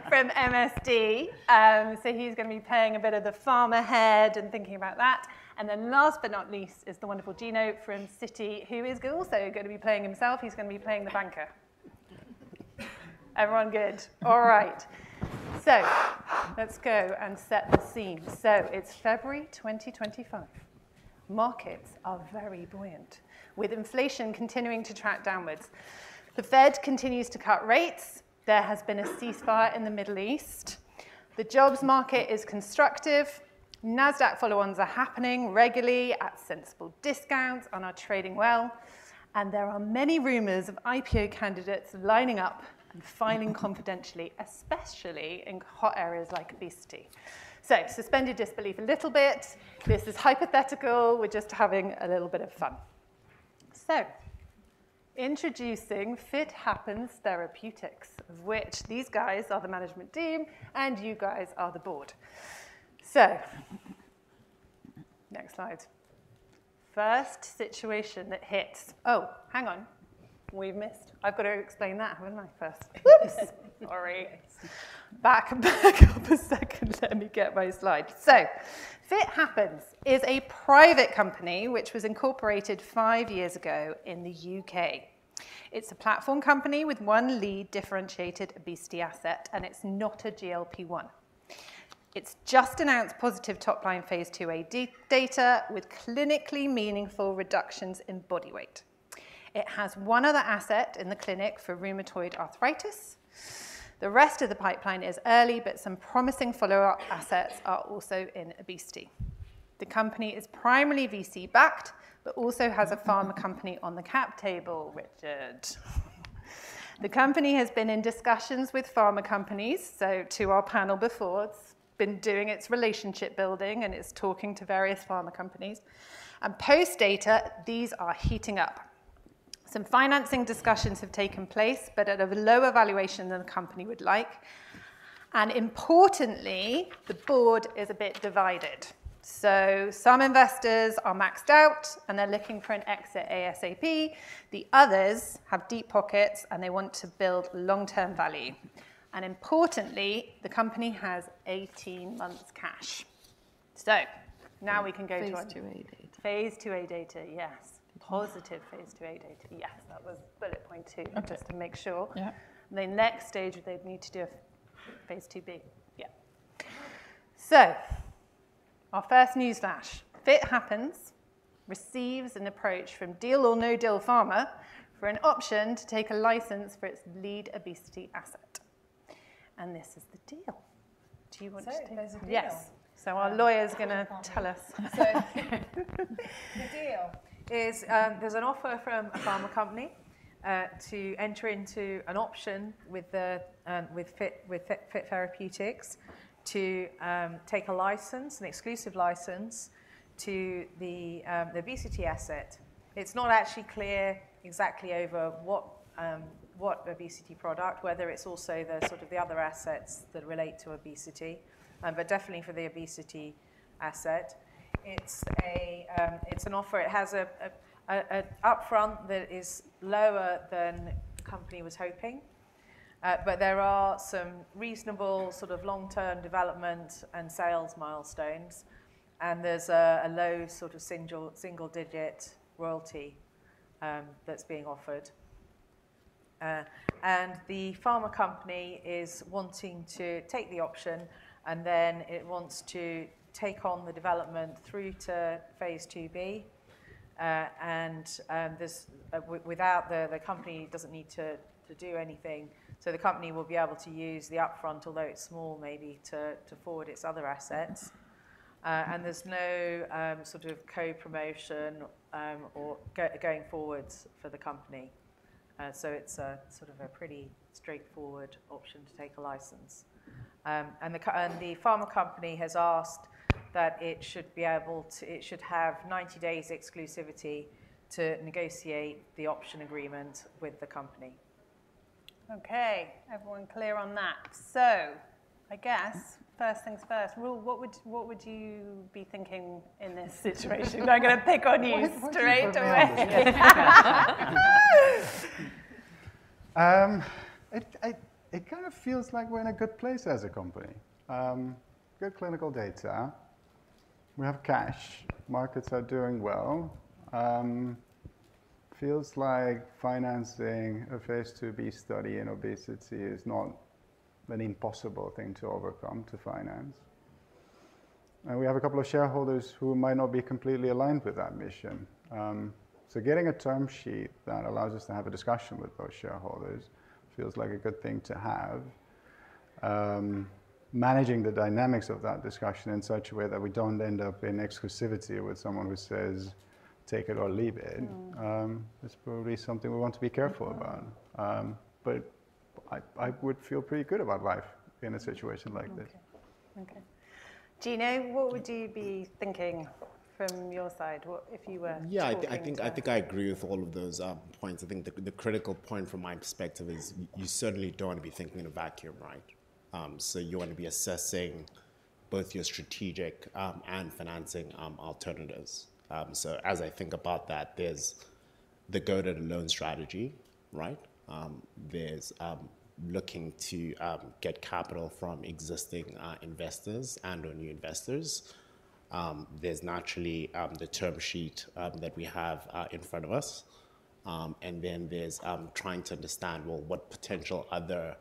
From MSD. So he's going to be playing a bit of the pharma head and thinking about that. And then last but not least is the wonderful Gino from Citi, who is also going to be playing himself. He's going to be playing the banker. Everyone good? All right. So let's go and set the scene. So it's February 2025. Markets are very buoyant with inflation continuing to track downwards. The Fed continues to cut rates. There has been a ceasefire in the Middle East. The jobs market is constructive. Nasdaq follow-ons are happening regularly at sensible discounts and are trading well. And there are many rumors of IPO candidates lining up and filing confidentially, especially in hot areas like obesity. So suspended disbelief a little bit. This is hypothetical. We're just having a little bit of fun. So introducing Fit Happens Therapeutics, of which these guys are the management team and you guys are the board. So next slide. First situation that hits... Oh, hang on. We've missed. I've got to explain that. Haven't I first? Oops. Sorry. Back up a second. Let me get my slide. So Fit Happens is a private company which was incorporated five years ago in the U.K. It's a platform company with one lead differentiated obesity asset, and it's not a GLP-1. It's just announced positive top line phase II-A data with clinically meaningful reductions in body weight. It has one other asset in the clinic for rheumatoid arthritis. The rest of the pipeline is early, but some promising follow-up assets are also in obesity. The company is primarily VC backed, but also has a pharma company on the cap table, Richard. The company has been in discussions with pharma companies, so to our panel before, it's been doing its relationship building and it's talking to various pharma companies, and post data, these are heating up. Some financing discussions have taken place, but at a lower valuation than the company would like, and importantly, the board is a bit divided, so some investors are maxed out and they're looking for an exit ASAP. The others have deep pockets and they want to build long-term value. And importantly, the company has 18 months cash. So now we can go to... Phase II-A data. Phase II-A data, yes. Positive phase II-A data. Yes, that was bullet point two, just to make sure. The next stage would need to do a phase II-B. Yeah, so our first news flash. Fit Happens receives an approach from Deal or No Deal Pharma for an option to take a license for its lead obesity asset. And this is the deal. Do you want to take this? Yes, so our lawyer is going to tell us. The deal is there's an offer from a pharma company to enter into an option with Fit Therapeutics to take an exclusive license to the obesity asset. It's not actually clear exactly over what obesity product, whether it's also the sort of the other assets that relate to obesity, but definitely for the obesity asset. It's an offer. It has an upfront that is lower than the company was hoping, but there are some reasonable sort of long-term development and sales milestones. And there's a low sort of single-digit royalty that's being offered. And the pharma company is wanting to take the option and then it wants to take on the development through to phase II-B. And without the company doesn't need to do anything. So the company will be able to use the upfront, although it's small maybe, to forward its other assets. And there's no sort of co-promotion or going forward for the company. So it's sort of a pretty straightforward option to take a license. And the pharma company has asked that it should be able to, it should have 90 days exclusivity to negotiate the option agreement with the company. Okay, everyone clear on that? So I guess first things first, Rob, what would you be thinking in this situation? I'm going to pick on you. Right away. It kind of feels like we're in a good place as a company. Good clinical data. We have cash. Markets are doing well. It feels like financing a phase II-B study in obesity is not an impossible thing to overcome to finance. And we have a couple of shareholders who might not be completely aligned with that mission. So getting a term sheet that allows us to have a discussion with those shareholders feels like a good thing to have. Managing the dynamics of that discussion in such a way that we don't end up in exclusivity with someone who says, "Take it or leave it." That's probably something we want to be careful about. But I would feel pretty good about life in a situation like this. Okay. Gino, what would you be thinking from your side if you were? Yeah, I think I agree with all of those points. I think the critical point from my perspective is you certainly don't want to be thinking in a vacuum, right? So you want to be assessing both your strategic and financing alternatives. So as I think about that, there's the go-to-loan strategy, right? There's looking to get capital from existing investors and/or new investors. There's naturally the term sheet that we have in front of us. And then there's trying to understand, well, what potential other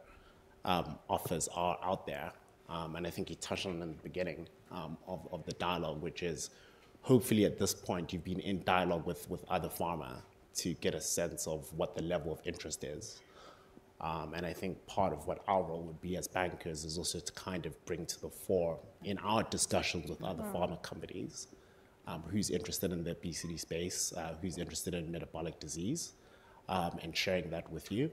offers are out there. And I think you touched on in the beginning of the dialogue, which is hopefully at this point, you've been in dialogue with other pharma to get a sense of what the level of interest is. I think part of what our role would be as bankers is also to kind of bring to the fore in our discussions with other pharma companies who's interested in the obesity space, who's interested in metabolic disease, and sharing that with you,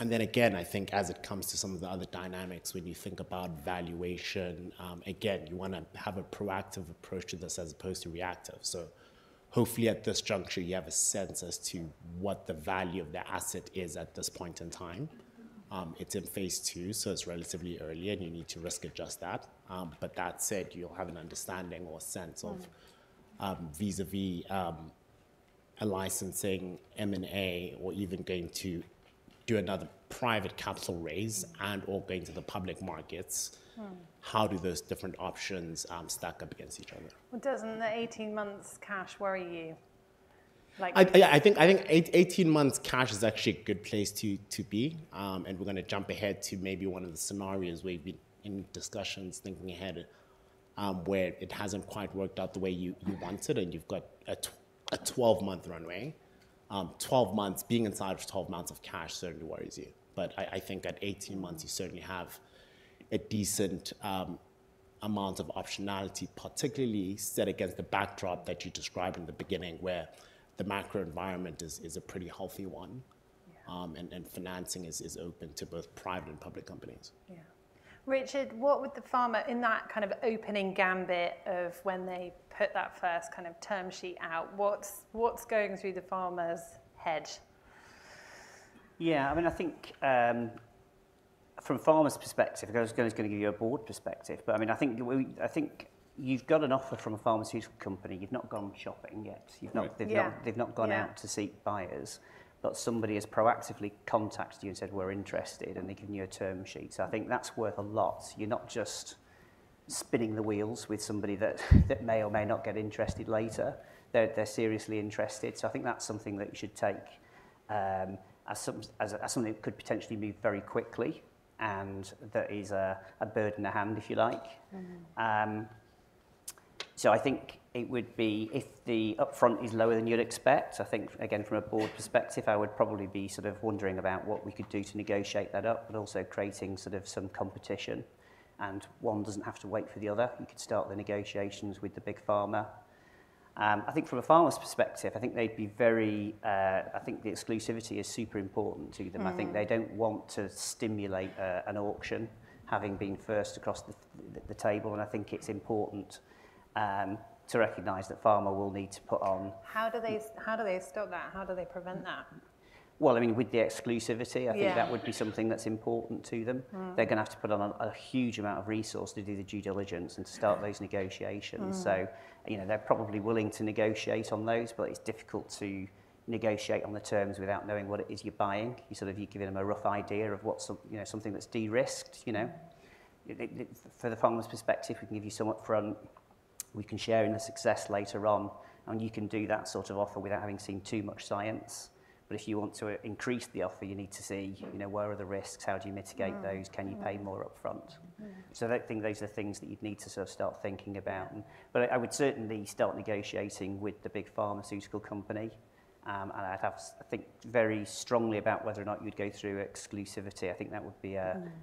and then again, I think as it comes to some of the other dynamics, when you think about valuation, again, you want to have a proactive approach to this as opposed to reactive, so hopefully at this juncture, you have a sense as to what the value of the asset is at this point in time. It's in phase II, so it's relatively early and you need to risk adjust that, but that said, you'll have an understanding or sense of vis-à-vis a licensing, M&A, or even going to do another private capital raise and/or going to the public markets. How do those different options stack up against each other? Doesn't the 18 months cash worry you? Yeah, I think 18 months cash is actually a good place to be, and we're going to jump ahead to maybe one of the scenarios where you've been in discussions thinking ahead where it hasn't quite worked out the way you wanted and you've got a 12-month runway. 12 months, being inside of 12 months of cash certainly worries you, but I think at 18 months, you certainly have a decent amount of optionality, particularly set against the backdrop that you described in the beginning where the macro environment is a pretty healthy one and financing is open to both private and public companies. Yeah. Richard, what would the pharma in that kind of opening gambit of when they put that first kind of term sheet out, what's going through the pharma's head? Yeah, I mean, I think from a pharma's perspective, I was going to give you a broad perspective, but I mean, I think you've got an offer from a pharmaceutical company. You've not gone shopping yet. They've not gone out to seek buyers, but somebody has proactively contacted you and said, "We're interested," and they've given you a term sheet. So I think that's worth a lot. You're not just spinning the wheels with somebody that may or may not get interested later. They're seriously interested. So I think that's something that you should take as something that could potentially move very quickly and that is a bird in the hand, if you like. So I think it would be if the upfront is lower than you'd expect. I think, again, from a board perspective, I would probably be sort of wondering about what we could do to negotiate that up, but also creating sort of some competition and one doesn't have to wait for the other. You could start the negotiations with the big pharma. I think from a pharma perspective, I think they'd be very. I think the exclusivity is super important to them. I think they don't want to stimulate an auction having been first across the table. And I think it's important to recognize that pharma will need to put on. How do they stop that? How do they prevent that? I mean, with the exclusivity, I think that would be something that's important to them. They're going to have to put on a huge amount of resources to do the due diligence and to start those negotiations. They're probably willing to negotiate on those, but it's difficult to negotiate on the terms without knowing what it is you're buying. You sort of give them a rough idea of something that's de-risked. For the pharma's perspective, we can give you some upfront. We can share in the success later on. You can do that sort of offer without having seen too much science. If you want to increase the offer, you need to see where are the risks? How do you mitigate those? Can you pay more upfront? I think those are things that you'd need to sort of start thinking about. But I would certainly start negotiating with the big pharmaceutical company. And I'd have, I think, very strongly about whether or not you'd go through exclusivity. I think that would be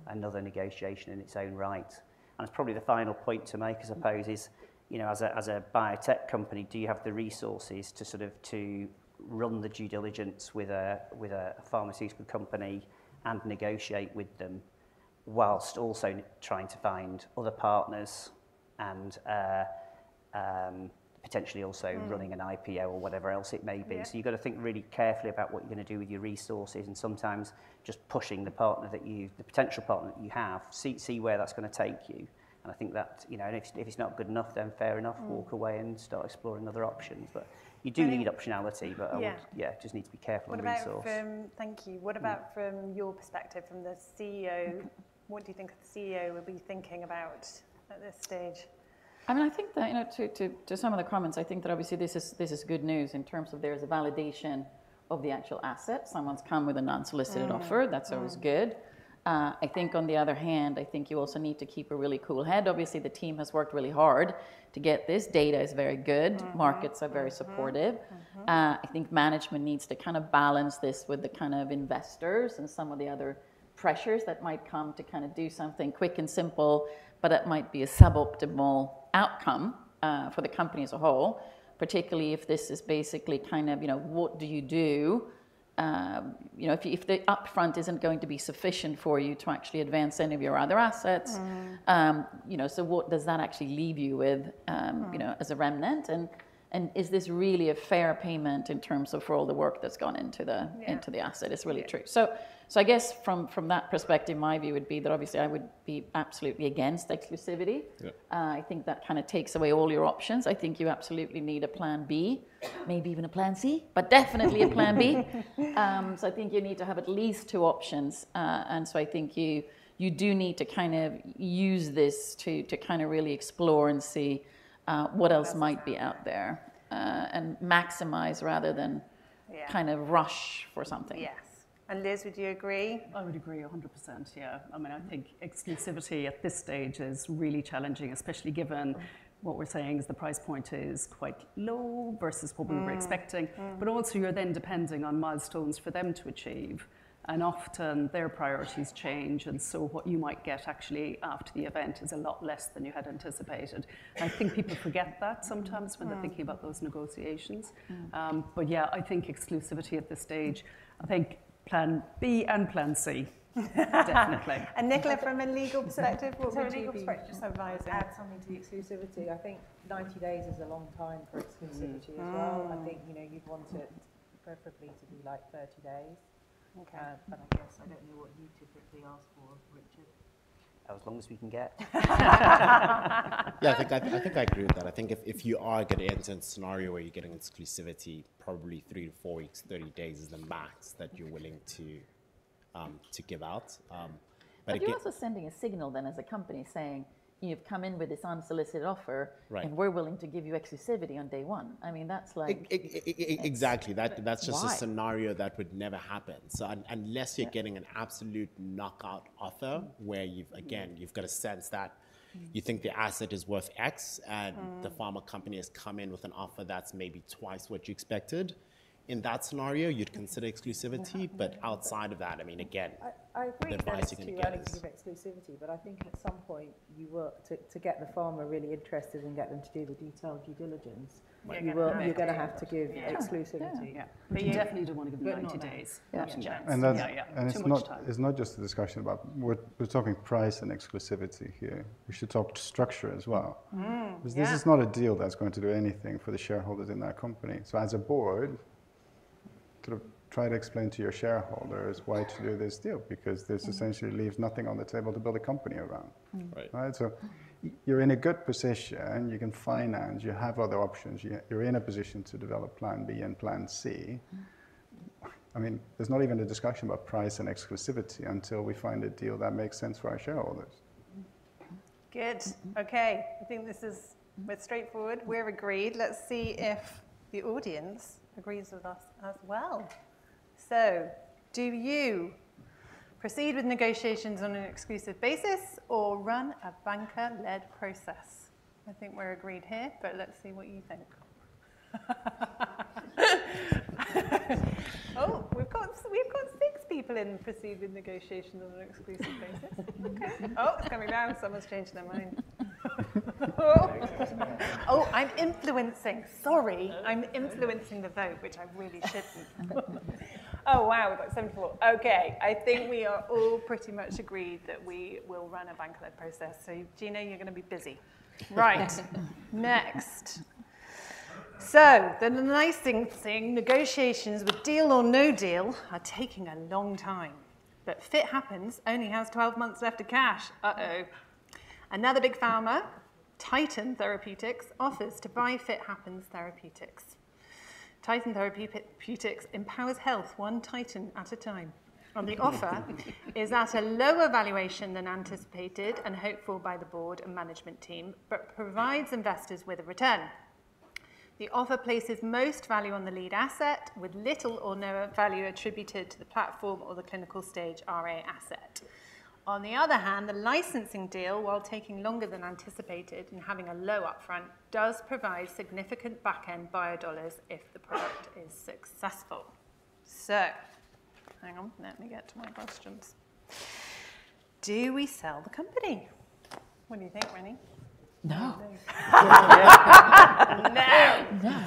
another negotiation in its own right. And it's probably the final point to make, I suppose, is as a biotech company, do you have the resources to sort of run the due diligence with a pharmaceutical company and negotiate with them while also trying to find other partners and potentially also running an IPO or whatever else it may be? So you've got to think really carefully about what you're going to do with your resources and sometimes just pushing the potential partner that you have, see where that's going to take you. And I think that if it's not good enough, then fair enough, walk away and start exploring other options. But you do need optionality, but yeah, just need to be careful on your resource. What about from your perspective, from the CEO? What do you think the CEO will be thinking about at this stage? I mean, I think that to some of the comments, I think that obviously this is good news in terms of there is a validation of the actual asset. Someone's come with an unsolicited offer. That's always good. I think on the other hand, I think you also need to keep a really cool head. Obviously, the team has worked really hard to get this. Data is very good. Markets are very supportive. I think management needs to kind of balance this with the kind of investors and some of the other pressures that might come to kind of do something quick and simple, but that might be a suboptimal outcome for the company as a whole, particularly if this is basically kind of what do you do if the upfront isn't going to be sufficient for you to actually advance any of your other assets? So, what does that actually leave you with as a remnant? And is this really a fair payment in terms of for all the work that's gone into the asset? It's really true. So, I guess from that perspective, my view would be that obviously I would be absolutely against exclusivity. I think that kind of takes away all your options. I think you absolutely need a plan B, maybe even a plan C, but definitely a plan B. So, I think you need to have at least two options. And so, I think you do need to kind of use this to kind of really explore and see what else might be out there and maximize rather than kind of rush for something. Yes. And Liz, would you agree? I would agree 100%. Yeah. I mean, I think exclusivity at this stage is really challenging, especially given what we're saying is the price point is quite low versus what we were expecting. But also you're then depending on milestones for them to achieve. And often their priorities change. And so what you might get actually after the event is a lot less than you had anticipated. I think people forget that sometimes when they're thinking about those negotiations. But yeah, I think exclusivity at this stage, I think plan B and plan C, definitely. Nicola, from a legal perspective, what would you say? Just add something to the exclusivity. I think 90 days is a long time for exclusivity as well. I think you'd want it preferably to be like 30 days. But I guess I don't know what you typically ask for, Richard. As long as we can get. Yeah, I think I agree with that. I think if you are going to enter into a scenario where you're getting exclusivity, probably three to four weeks, 30 days is the max that you're willing to give out. But you're also sending a signal then as a company saying, "You've come in with this unsolicited offer and we're willing to give you exclusivity on day one." I mean, that's like. Exactly. That's just a scenario that would never happen. So unless you're getting an absolute knockout offer where you've, again, you've got a sense that you think the asset is worth X and the pharma company has come in with an offer that's maybe twice what you expected, in that scenario, you'd consider exclusivity. But outside of that, I mean, again, advice you can take. I agree with you. I don't think you give exclusivity, but I think at some point you work to get the farmer really interested and get them to do the detailed due diligence. You're going to have to give exclusivity. Yeah. But you definitely don't want to give them 90 days. Yeah. And it's not just a discussion. We're talking price and exclusivity here. We should talk structure as well. Because this is not a deal that's going to do anything for the shareholders in that company. So as a board, sort of try to explain to your shareholders why to do this deal because this essentially leaves nothing on the table to build a company around. So you're in a good position. You can finance. You have other options. You're in a position to develop plan B and plan C. I mean, there's not even a discussion about price and exclusivity until we find a deal that makes sense for our shareholders. Good. Okay. I think this is straightforward. We're agreed. Let's see if the audience agrees with us as well. So do you proceed with negotiations on an exclusive basis or run a banker-led process? I think we're agreed here, but let's see what you think. Oh, we've got six people in proceed with negotiations on an exclusive basis. Okay. Oh, it's coming down. Someone's changed their mind. Oh, I'm influencing. Sorry. I'm influencing the vote, which I really shouldn't. Oh, wow. We've got 74. Okay. I think we are all pretty much agreed that we will run a banker-led process. So Gino, you're going to be busy. Right. Next. So the nice thing saying negotiations with deal or no deal are taking a long time. But Fit Happens only has 12 months left of cash. Uh-oh. Another big pharma, Titan Therapeutics, offers to buy Fit Happens Therapeutics. Titan Therapeutics empowers health one titan at a time. The offer is at a lower valuation than anticipated and hopeful by the board and management team, but provides investors with a return. The offer places most value on the lead asset with little or no value attributed to the platform or the clinical stage RA asset. On the other hand, the licensing deal, while taking longer than anticipated and having a low upfront, does provide significant backend bio-dollars if the product is successful. Hang on. Let me get to my questions. Do we sell the company? What do you think, Renée? No. No.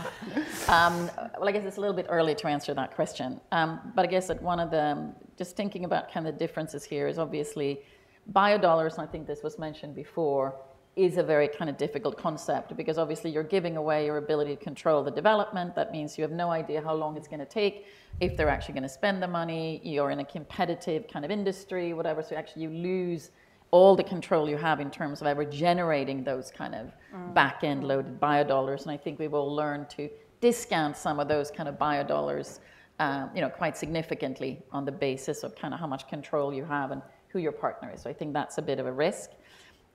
Well, I guess it's a little bit early to answer that question. But I guess that one of the just thinking about kind of the differences here is obviously bio-dollars, and I think this was mentioned before, is a very kind of difficult concept because obviously you're giving away your ability to control the development. That means you have no idea how long it's going to take if they're actually going to spend the money. You're in a competitive kind of industry, whatever. So actually you lose all the control you have in terms of ever generating those kind of backend loaded buyer dollars. And I think we've all learned to discount some of those kind of buyer dollars quite significantly on the basis of kind of how much control you have and who your partner is. So I think that's a bit of a risk.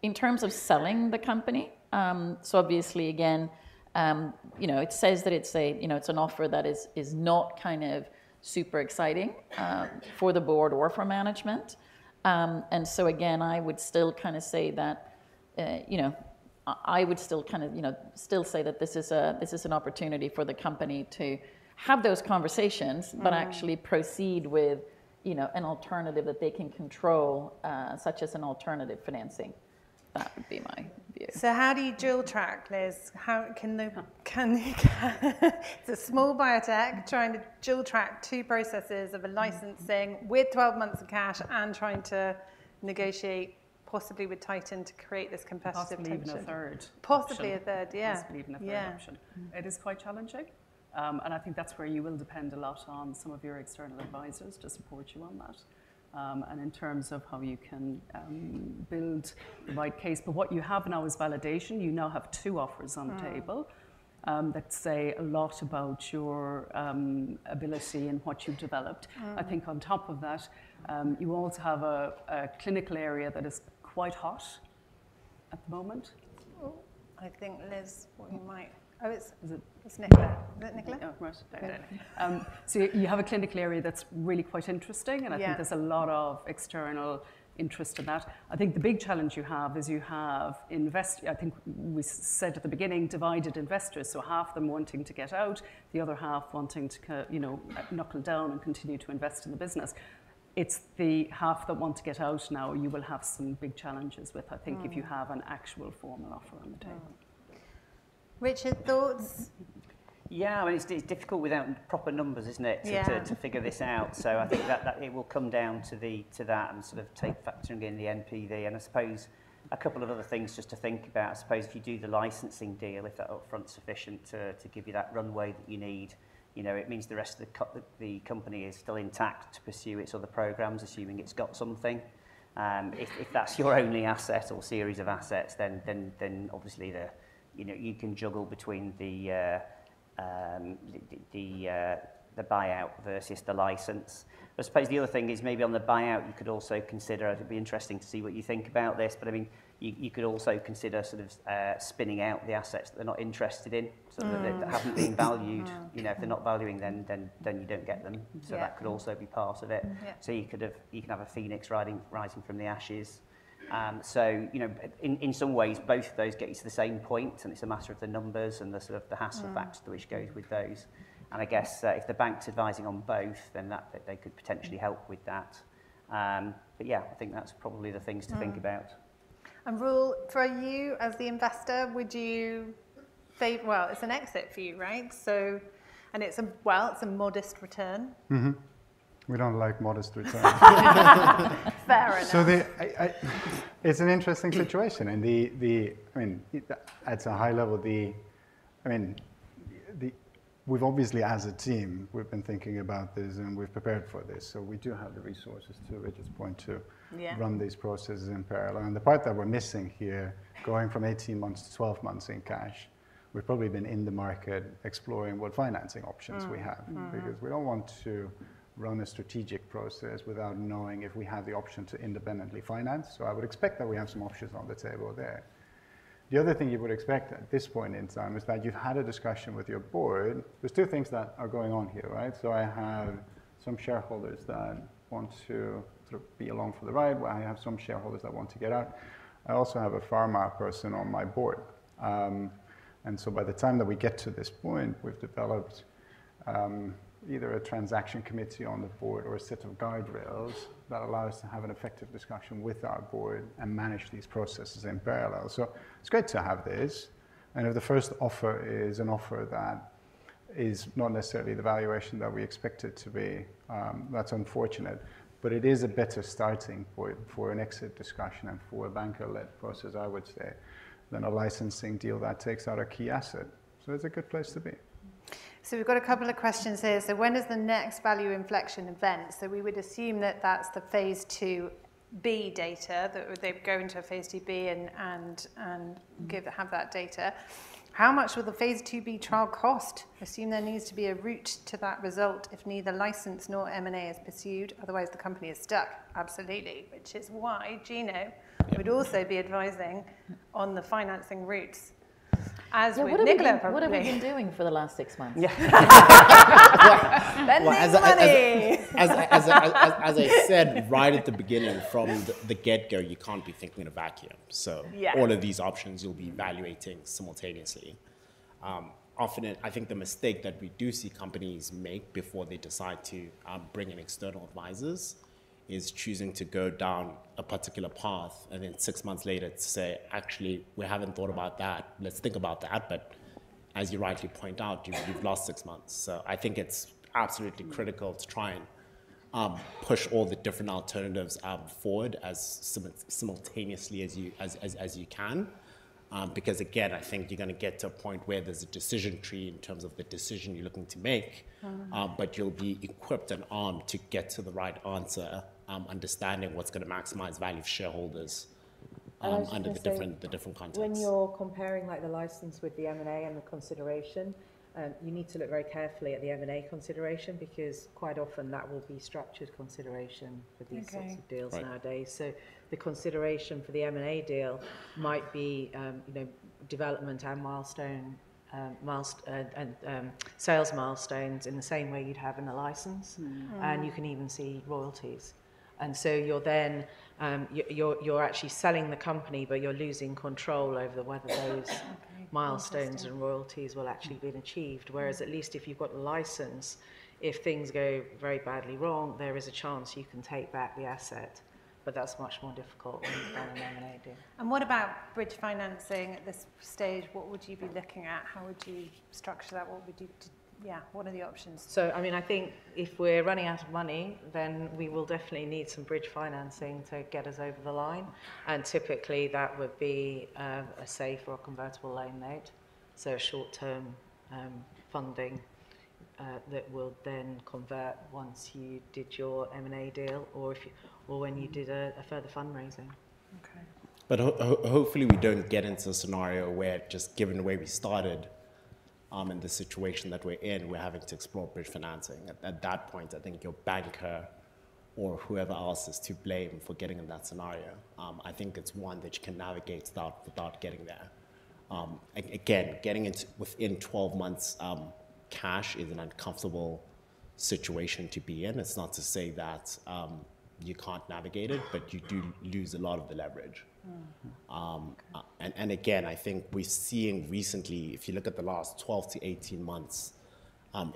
In terms of selling the company, so obviously again, it says that it's an offer that is not kind of super exciting for the board or for management. And so again, I would still kind of say that this is an opportunity for the company to have those conversations, but actually proceed with an alternative that they can control, such as an alternative financing. That would be my view. So how do you juggle, Liz? It's a small biotech trying to juggle two processes of a licensing with 12 months of cash and trying to negotiate possibly with Titan to create this competitive. Possibly even a third. Possibly a third, yeah. Possibly even a third option. It is quite challenging, and I think that's where you will depend a lot on some of your external advisors to support you on that, and in terms of how you can build the right case, but what you have now is validation. You now have two offers on the table that say a lot about your ability and what you've developed. I think on top of that, you also have a clinical area that is quite hot at the moment. I think, Liz, we might. Is it? Is it Nicola? Is it Nicola? Oh, right. Okay. So you have a clinical area that's really quite interesting, and I think there's a lot of external interest in that. I think the big challenge you have is, I think we said at the beginning, divided investors. So half of them wanting to get out, the other half wanting to knuckle down and continue to invest in the business. It's the half that want to get out. Now you will have some big challenges with, I think, if you have an actual formal offer on the table. Richard, thoughts? Yeah. I mean, it's difficult without proper numbers, isn't it, to figure this out? So I think that it will come down to that and sort of take factoring in the NPV. And I suppose a couple of other things just to think about. I suppose if you do the licensing deal, if that upfront is sufficient to give you that runway that you need, it means the rest of the company is still intact to pursue its other programs, assuming it's got something. If that's your only asset or series of assets, then obviously you can juggle between the buyout versus the license. I suppose the other thing is maybe on the buyout, you could also consider. It'd be interesting to see what you think about this, but I mean, you could also consider sort of spinning out the assets that they're not interested in, so that haven't been valued. If they're not valuing, then you don't get them. So that could also be part of it. So you can have a Phoenix rising from the ashes. So in some ways, both of those get you to the same point, and it's a matter of the numbers and the sort of the hassle factor which goes with those. And I guess if the bank's advising on both, then they could potentially help with that. But yeah, I think that's probably the things to think about. And Rob, for you as the investor, would you say, well, it's an exit for you, right? And it's a modest return. We don't like modest returns. Fair enough. So it's an interesting situation. I mean, at a high level, I mean, we've obviously, as a team, we've been thinking about this and we've prepared for this. So we do have the resources to, Richard's point, to run these processes in parallel. And the part that we're missing here, going from 18 months to 12 months in cash, we've probably been in the market exploring what financing options we have because we don't want to run a strategic process without knowing if we have the option to independently finance. So I would expect that we have some options on the table there. The other thing you would expect at this point in time is that you've had a discussion with your board. There's two things that are going on here, right? So I have some shareholders that want to sort of be along for the ride, where I have some shareholders that want to get out. I also have a pharma person on my board. And so by the time that we get to this point, we've developed either a transaction committee on the board or a set of guardrails that allow us to have an effective discussion with our board and manage these processes in parallel. So it's great to have this. And if the first offer is an offer that is not necessarily the valuation that we expect it to be, that's unfortunate, but it is a better starting point for an exit discussion and for a banker-led process, I would say, than a licensing deal that takes out a key asset. So it's a good place to be. So we've got a couple of questions here. So when is the next value inflection event? So we would assume that that's the phase II-B data that they would go into a phase II-B and have that data. How much will the phase II-B trial cost? Assume there needs to be a route to that result if neither license nor M&A is pursued. Otherwise, the company is stuck. Absolutely. Which is why Gino would also be advising on the financing routes. As we've been doing. What have we been doing for the last six months? As I said, right at the beginning, from the get-go, you can't be thinking in a vacuum. So all of these options you'll be evaluating simultaneously. Often, I think the mistake that we do see companies make before they decide to bring in external advisors is choosing to go down a particular path and then six months later to say, "Actually, we haven't thought about that. Let's think about that." But as you rightly point out, you've lost six months. So I think it's absolutely critical to try and push all the different alternatives forward as simultaneously as you can. Because again, I think you're going to get to a point where there's a decision tree in terms of the decision you're looking to make, but you'll be equipped and armed to get to the right answer, understanding what's going to maximize value for shareholders under the different contexts. When you're comparing the license with the M&A and the consideration, you need to look very carefully at the M&A consideration because quite often that will be structured consideration for these sorts of deals nowadays. So the consideration for the M&A deal might be development and sales milestones in the same way you'd have in a license. And you can even see royalties. And so you're actually selling the company, but you're losing control over whether those milestones and royalties will actually be achieved. Whereas at least if you've got the license, if things go very badly wrong, there is a chance you can take back the asset. But that's much more difficult than an M&A deal. What about bridge financing at this stage? What would you be looking at? How would you structure that? Yeah, what are the options? I mean, I think if we're running out of money, then we will definitely need some bridge financing to get us over the line. And typically, that would be a SAFE or a convertible loan note. So short-term funding that will then convert once you did your M&A deal or when you did a further fundraising. But hopefully, we don't get into a scenario where just given the way we started and the situation that we're in, we're having to explore bridge financing. At that point, I think your banker or whoever else is to blame for getting in that scenario. I think it's one that you can navigate without getting there. Again, getting within 12 months cash is an uncomfortable situation to be in. It's not to say that you can't navigate it, but you do lose a lot of the leverage. And again, I think we're seeing recently, if you look at the last 12 months-18 months,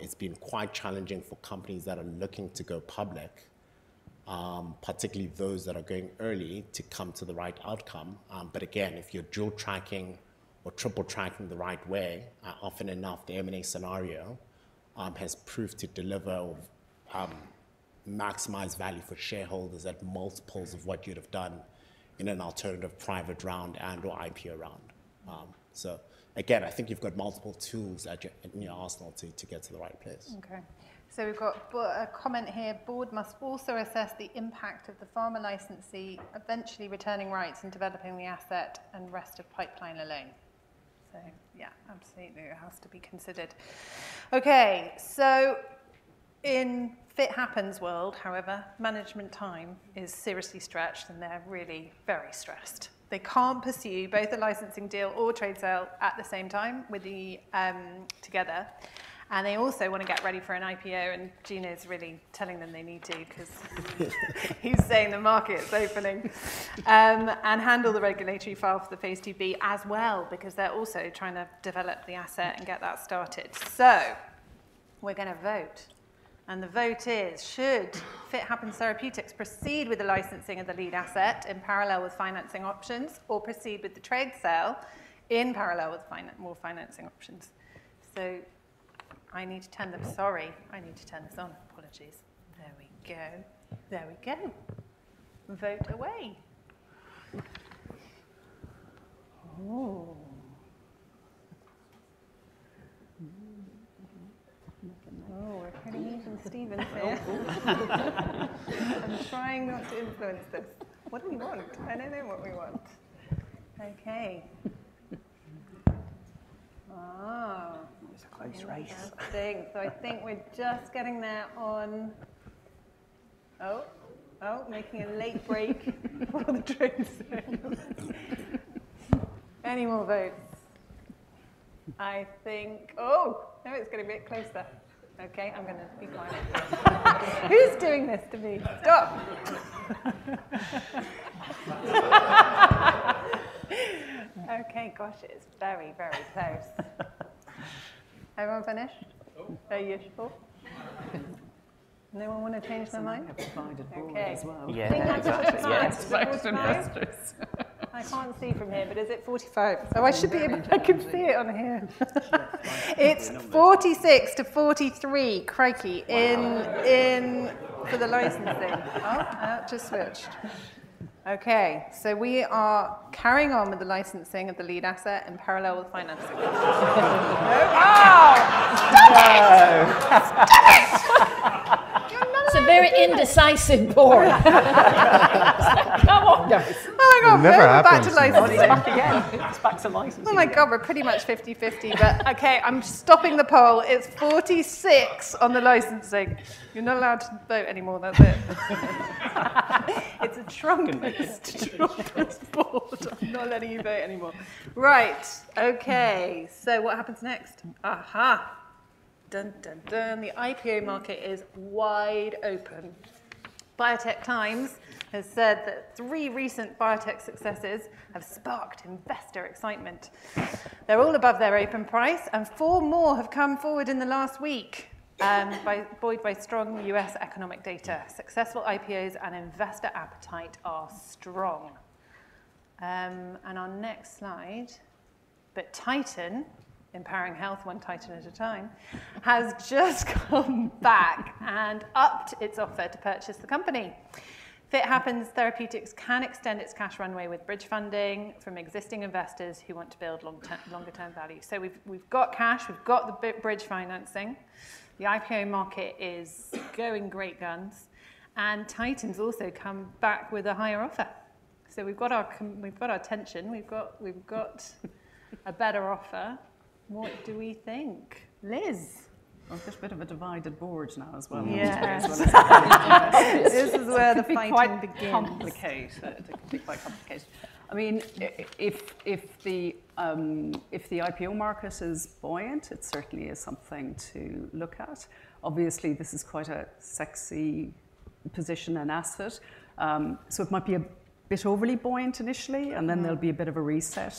it's been quite challenging for companies that are looking to go public, particularly those that are going early to come to the right outcome. But again, if you're dual tracking or triple tracking the right way, often enough, the M&A scenario has proved to deliver or maximize value for shareholders at multiples of what you'd have done in an alternative private round and/or IPO round. So again, I think you've got multiple tools in your arsenal to get to the right place. Okay. So we've got a comment here. Board must also assess the impact of the pharma licensee eventually returning rights and developing the asset and rest of pipeline alone. So yeah, absolutely. It has to be considered. Okay. So in Fit Happens world, however, management time is seriously stretched and they're really very stressed. They can't pursue both a licensing deal or trade sale at the same time together. And they also want to get ready for an IPO, and Gino's really telling them they need to because he's saying the market's opening. And handle the regulatory file for the phase II-B as well because they're also trying to develop the asset and get that started. So we're going to vote. The vote is, should Fit Happens Therapeutics proceed with the licensing of the lead asset in parallel with financing options or proceed with the trade sale in parallel with more financing options? I need to turn them, sorry, I need to turn this on. Apologies. There we go. There we go. Vote away. Oh. Oh, we're kind of using Steven here. I'm trying not to influence this. What do we want? I know then what we want. Okay. It's a close race. Interesting. So I think we're just getting there on, oh, oh, making a late break for the trade sale. Any more votes? I think, oh, now it's getting a bit closer. Okay, I'm going to be quiet. Who's doing this to me? Stop. Okay, gosh, it's very, very close. Everyone finished? Are you sure? No one want to change their mind? I think I've decided forward as well. I think I've decided forward. That was disastrous. I can't see from here, but is it 45? Oh, I should be able to. I can see it on here. It's 46 to 43, Crikey, for the licensing. Oh, just switched. Okay, so we are carrying on with the licensing of the lead asset in parallel with financing. It's a very indecisive board. Come on. Never happens. Back to licensing. It's back to licensing. Oh my God, we're pretty much 50-50, but okay, I'm stopping the poll. It's 46 on the licensing. You're not allowed to vote anymore, that's it. It's a trump. You're not letting you vote anymore. Right, okay. So what happens next? Aha. Dun, dun, dun. The IPO market is wide open. Biotech Times has said that three recent biotech successes have sparked investor excitement. They're all above their open price, and four more have come forward in the last week, buoyed by strong U.S. economic data. Successful IPOs and investor appetite are strong. And our next slide. But Titan, Empowering Health, one Titan at a time, has just gone back and upped its offer to purchase the company. Fit Happens Therapeutics can extend its cash runway with bridge funding from existing investors who want to build longer-term value. So we've got cash, we've got the bridge financing. The IPO market is going great guns, and Titan's also come back with a higher offer. So we've got our tension. We've got a better offer. What do we think? Liz? I'm just a bit of a divided board now as well. This is where the fighting begins. Quite complicated. It could be quite complicated. I mean, if the IPO market is buoyant, it certainly is something to look at. Obviously, this is quite a sexy position and asset. So it might be a bit overly buoyant initially, and then there'll be a bit of a reset,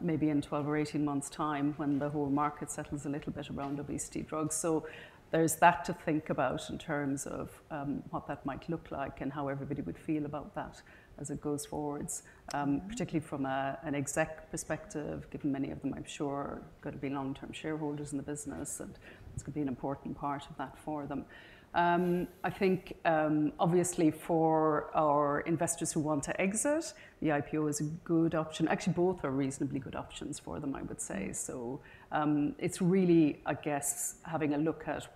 maybe in 12 months or 18 months' time when the whole market settles a little bit around obesity drugs. So there's that to think about in terms of what that might look like and how everybody would feel about that as it goes forwards, particularly from an exec perspective, given many of them, I'm sure, are going to be long-term shareholders in the business, and it's going to be an important part of that for them. I think, obviously, for our investors who want to exit, the IPO is a good option. Actually, both are reasonably good options for them, I would say. So it's really, I guess, having a look at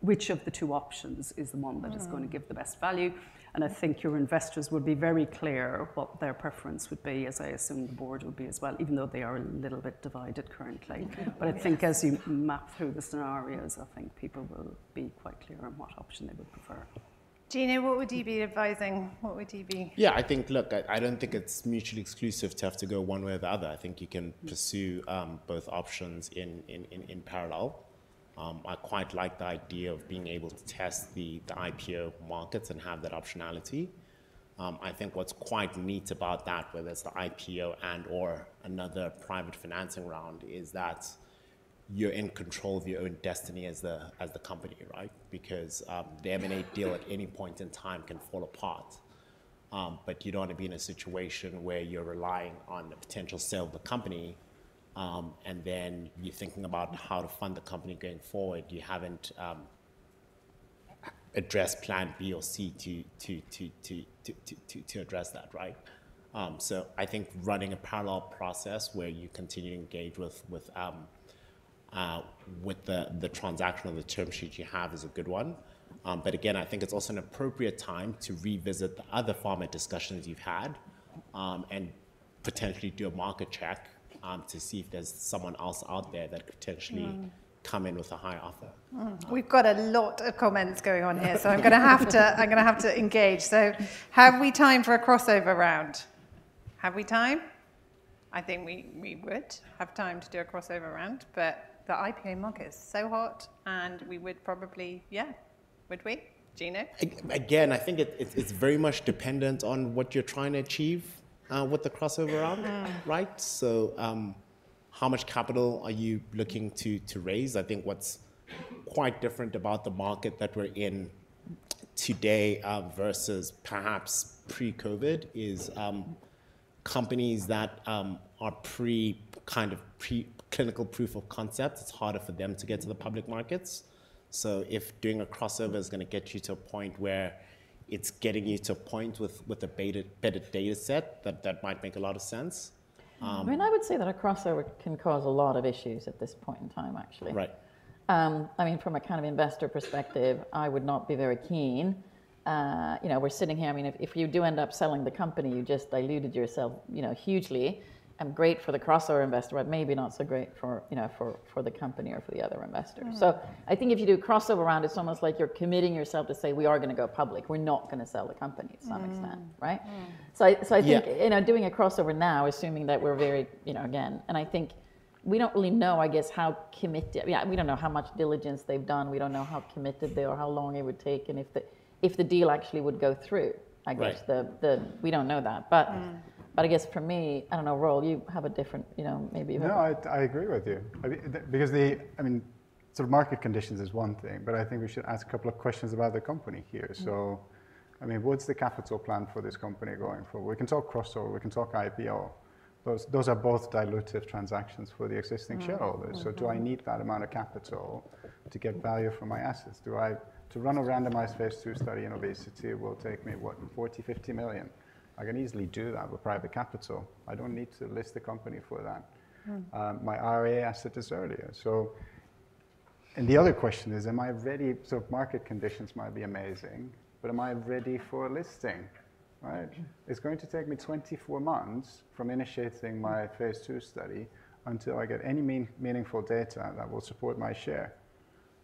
which of the two options is the one that is going to give the best value. And I think your investors will be very clear what their preference would be, as I assume the board will be as well, even though they are a little bit divided currently. But I think as you map through the scenarios, I think people will be quite clear on what option they would prefer. Gino, what would you be advising? What would you be? Yeah, I think, look, I don't think it's mutually exclusive to have to go one way or the other. I think you can pursue both options in parallel. I quite like the idea of being able to test the IPO markets and have that optionality. I think what's quite neat about that, whether it's the IPO and/or another private financing round, is that you're in control of your own destiny as the company, right? Because the M&A deal at any point in time can fall apart. But you don't want to be in a situation where you're relying on the potential sale of the company, and then you're thinking about how to fund the company going forward. You haven't addressed plan B or C to address that, right? So I think running a parallel process where you continue to engage with the transactional term sheet you have is a good one. But again, I think it's also an appropriate time to revisit the other pharma discussions you've had and potentially do a market check to see if there's someone else out there that could potentially come in with a higher offer. We've got a lot of comments going on here, so I'm going to have to engage. So have we time for a crossover round? Have we time? I think we would have time to do a crossover round, but the IPO market is so hot and we would probably, yeah, would we? Gino? Again, I think it's very much dependent on what you're trying to achieve with the crossover round, right? So how much capital are you looking to raise? I think what's quite different about the market that we're in today versus perhaps pre-COVID is companies that are kind of preclinical proof of concept. It's harder for them to get to the public markets. So if doing a crossover is going to get you to a point where it's getting you to a point with a better data set, that might make a lot of sense. I mean, I would say that a crossover can cause a lot of issues at this point in time, actually. I mean, from a kind of investor perspective, I would not be very keen. We're sitting here, I mean, if you do end up selling the company, you just diluted yourself hugely. It's great for the crossover investor, but maybe not so great for the company or for the other investor. So I think if you do a crossover round, it's almost like you're committing yourself to say, "We are going to go public. We're not going to sell the company to some extent," right? So I think doing a crossover now, assuming that we're very, again, and I think we don't really know, I guess, how committed, yeah, we don't know how much diligence they've done. We don't know how committed they are, how long it would take, and if the deal actually would go through, I guess we don't know that. But I guess for me, I don't know, Roel. You have a different, maybe you have. No, I agree with you. I mean, sort of market conditions is one thing, but I think we should ask a couple of questions about the company here. So I mean, what's the capital plan for this company going forward? We can talk crossover, we can talk IPO. Those are both dilutive transactions for the existing shareholders. So do I need that amount of capital to get value from my assets? To run a randomized phase II study in obesity will take me, what, €40-50 million. I can easily do that with private capital. I don't need to list the company for that. My RA asset is earlier. And the other question is, am I ready? So market conditions might be amazing, but am I ready for listing? Right? It's going to take me 24 months from initiating my phase II study until I get any meaningful data that will support my share.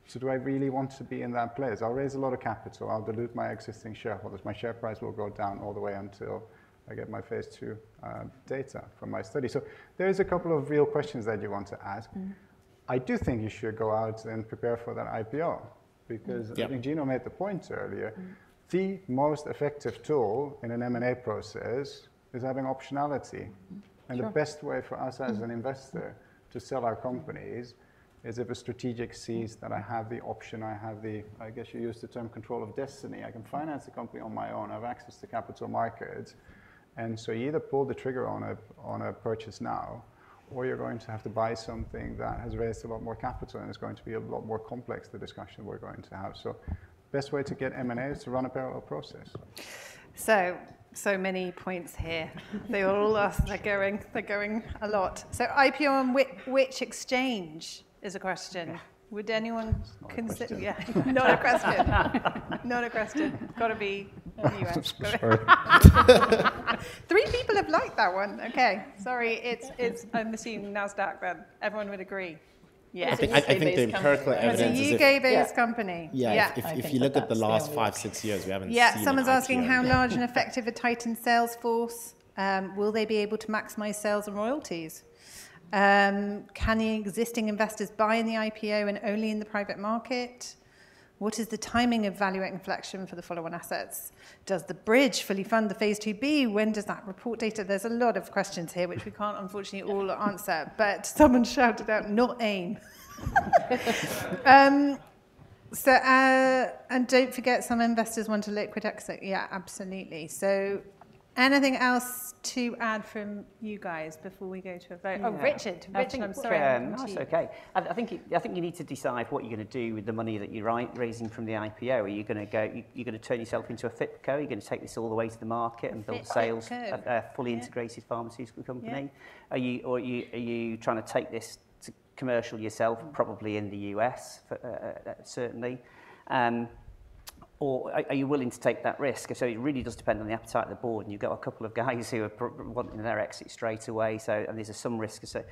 So do I really want to be in that place? I'll raise a lot of capital. I'll dilute my existing shareholders. My share price will go down all the way until I get my phase II data from my study. So there is a couple of real questions that you want to ask. I do think you should go out and prepare for that IPO because I think Gino made the point earlier. The most effective tool in an M&A process is having optionality. And the best way for us as an investor to sell our companies is if a strategic sees that I have the option, I have the, I guess you use the term control of destiny. I can finance the company on my own. I have access to capital markets, and so you either pull the trigger on a purchase now, or you're going to have to buy something that has raised a lot more capital and is going to be a lot more complex, the discussion we're going to have, so the best way to get M&A is to run a parallel process. So many points here. They all are, they're going a lot. So IPO on which exchange is a question. Would anyone consider? Yeah, not a question. Got to be a U.S. Three people have liked that one. Okay. Sorry, I'm assuming Nasdaq, but everyone would agree. I think they've heard the evidence. It's an EEA-based company. Yeah, if you look at the last five, six years, we haven't seen that. Yeah, someone's asking how large and effective a Titan sales force will they be able to maximize sales and royalties? Can existing investors buy in the IPO and only in the private market? What is the timing of value inflection for the follow-on assets? Does the bridge fully fund the phase II-B? When does that report data? There's a lot of questions here, which we can't unfortunately all answer, but someone shouted out, "Not AIM." And don't forget, some investors want a liquid exit. Yeah, absolutely. So anything else to add from you guys before we go to a vote? Oh, Richard, Richard, I'm sorry. Okay. I think you need to decide what you're going to do with the money that you're raising from the IPO. Are you going to turn yourself into a Fitco? Are you going to take this all the way to the market and build sales? A fully integrated pharmaceutical company? Are you trying to take this to commercial yourself, probably in the U.S., certainly? Or are you willing to take that risk? So it really does depend on the appetite of the board. And you've got a couple of guys who are wanting their exit straight away. And there's some risk. So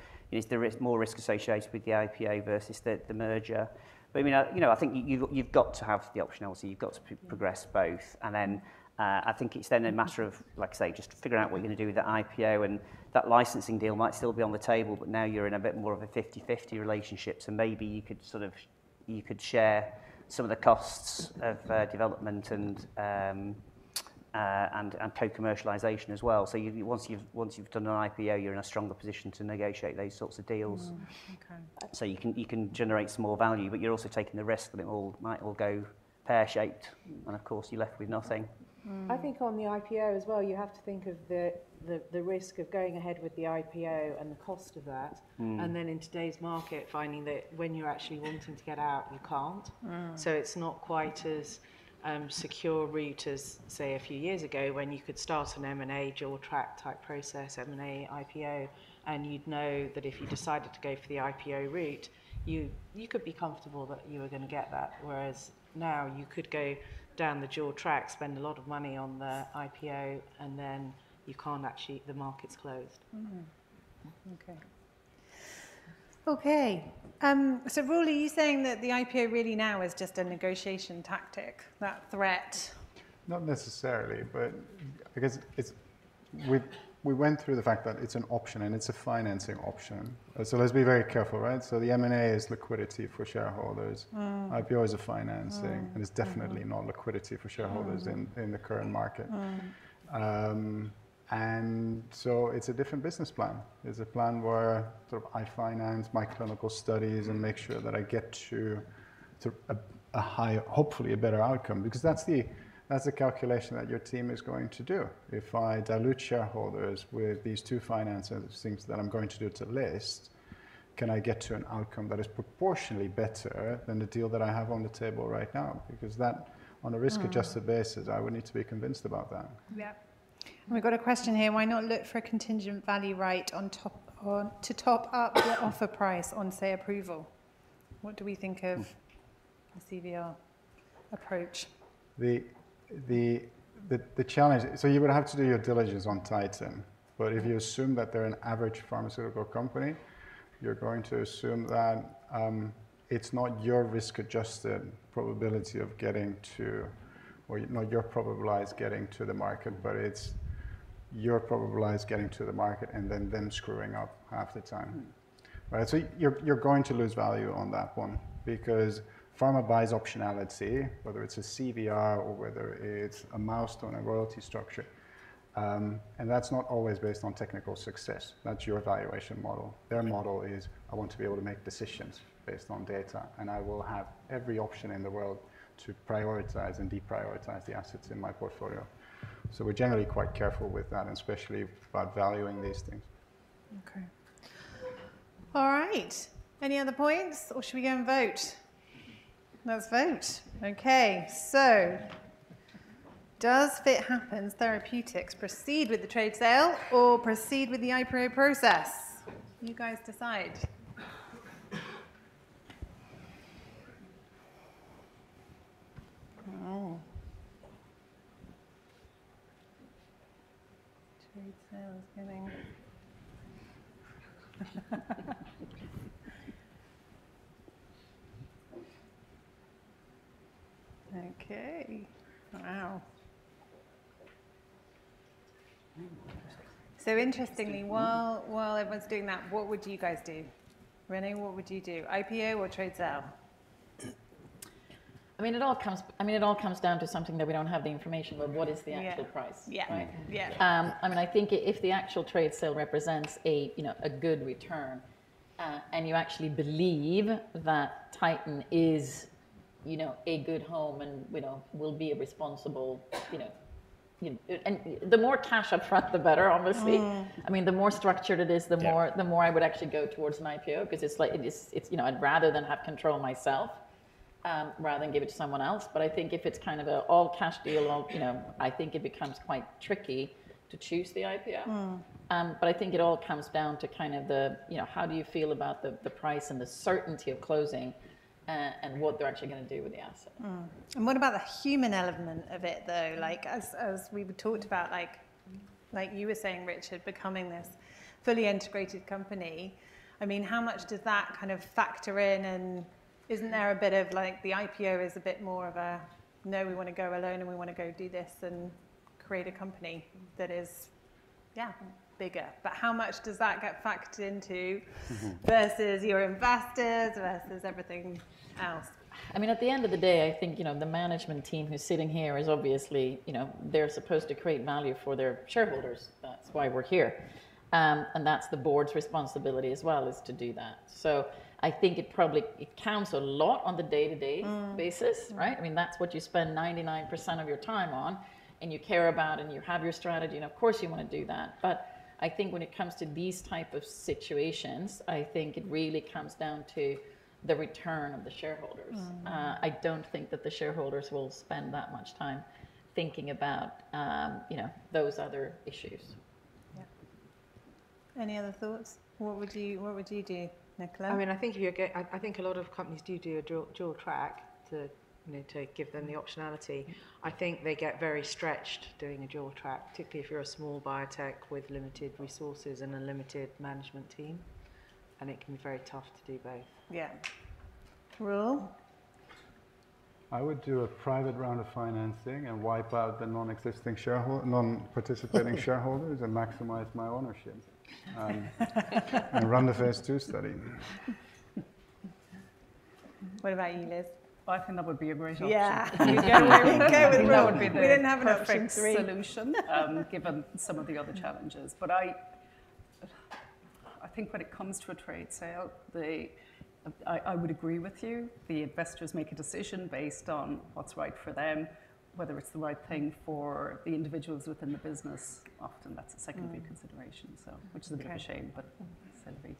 there is more risk associated with the IPO versus the merger. But I mean, I think you've got to have the optionality. You've got to progress both. And then I think it's then a matter of, like I say, just figuring out what you're going to do with the IPO. And that licensing deal might still be on the table, but now you're in a bit more of a 50-50 relationship. So maybe you could sort of share some of the costs of development and co-commercialization as well. So once you've done an IPO, you're in a stronger position to negotiate those sorts of deals. So you can generate some more value, but you're also taking the risk that it all might go pear-shaped. And of course, you're left with nothing. I think on the IPO as well, you have to think of the risk of going ahead with the IPO and the cost of that and then in today's market, finding that when you're actually wanting to get out, you can't, so it's not quite as secure route as, say, a few years ago when you could start an M&A dual-track type process, M&A IPO, and you'd know that if you decided to go for the IPO route, you could be comfortable that you were going to get that. Whereas now you could go down the dual-track, spend a lot of money on the IPO, and then you can't actually, the market's closed. Okay. Okay, so Roel, are you saying that the IPO really now is just a negotiation tactic, that threat? Not necessarily, but because we went through the fact that it's an option and it's a financing option. So let's be very careful, right? So the M&A is liquidity for shareholders. IPO is a financing, and it's definitely not liquidity for shareholders in the current market, and so it's a different business plan. It's a plan where sort of I finance my clinical studies and make sure that I get to a higher, hopefully a better outcome because that's the calculation that your team is going to do. If I dilute shareholders with these two financing things that I'm going to do to list, can I get to an outcome that is proportionally better than the deal that I have on the table right now? Because that, on a risk-adjusted basis, I would need to be convinced about that. Yeah, and we've got a question here. Why not look for a contingent value right to top up the offer price on, say, approval? What do we think of the CVR approach? The challenge, so you would have to do your diligence on Titan. But if you assume that they're an average pharmaceutical company, you're going to assume that it's not your risk-adjusted probability of getting to, or not your probabilized getting to the market, but it's your probabilized getting to the market and then them screwing up half the time. So you're going to lose value on that one because pharma buys optionality, whether it's a CVR or whether it's a milestone, a royalty structure. And that's not always based on technical success. That's your valuation model. Their model is, "I want to be able to make decisions based on data, and I will have every option in the world to prioritize and deprioritize the assets in my portfolio." So we're generally quite careful with that, especially about valuing these things. Okay. All right. Any other points? Or should we go and vote? Let's vote. Okay. So does Fit Happens Therapeutics proceed with the trade sale or proceed with the IPO process? You guys decide. Oh. Trade sale is getting. Okay. Wow. So interestingly, while everyone's doing that, what would you guys do? Renée, what would you do? IPO or trade sale? I mean, it all comes down to something that we don't have the information about: what is the actual price, right? I mean, I think if the actual trade sale represents a good return and you actually believe that Titan is a good home and will be a responsible, and the more cash upfront, the better, obviously. I mean, the more structured it is, the more I would actually go towards an IPO because I'd rather have control myself than give it to someone else. But I think if it's kind of an all-cash deal, I think it becomes quite tricky to choose the IPO. But I think it all comes down to kind of how do you feel about the price and the certainty of closing and what they're actually going to do with the asset. What about the human element of it, though? As we talked about, like you were saying, Richard, becoming this fully integrated company, I mean, how much does that kind of factor in? Isn't there a bit of the IPO is a bit more of a, "No, we want to go alone and we want to go do this and create a company that is, yeah, bigger." How much does that get factored into versus your investors versus everything else? I mean, at the end of the day, I think the management team who's sitting here is obviously, they're supposed to create value for their shareholders. That's why we're here. And that's the board's responsibility as well is to do that. So I think it counts a lot on the day-to-day basis, right? I mean, that's what you spend 99% of your time on and you care about and you have your strategy. And of course, you want to do that. But I think when it comes to these types of situations, I think it really comes down to the return of the shareholders. I don't think that the shareholders will spend that much time thinking about those other issues. Yeah. Any other thoughts? What would you do, Nicola? I mean, I think a lot of companies do a dual track to give them the optionality. I think they get very stretched doing a dual track, particularly if you're a small biotech with limited resources and a limited management team, and it can be very tough to do both. Yeah. Rey? I would do a private round of financing and wipe out the non-existing shareholders, non-participating shareholders, and maximize my ownership and run the phase II study. What about you, Liz? I think that would be a great option. Yeah. We go with Rob because we didn't have. Upfront solution given some of the other challenges. But I think when it comes to a trade sale, I would agree with you. The investors make a decision based on what's right for them, whether it's the right thing for the individuals within the business. Often that's a secondary consideration, which is a bit of a shame, but I say the reason.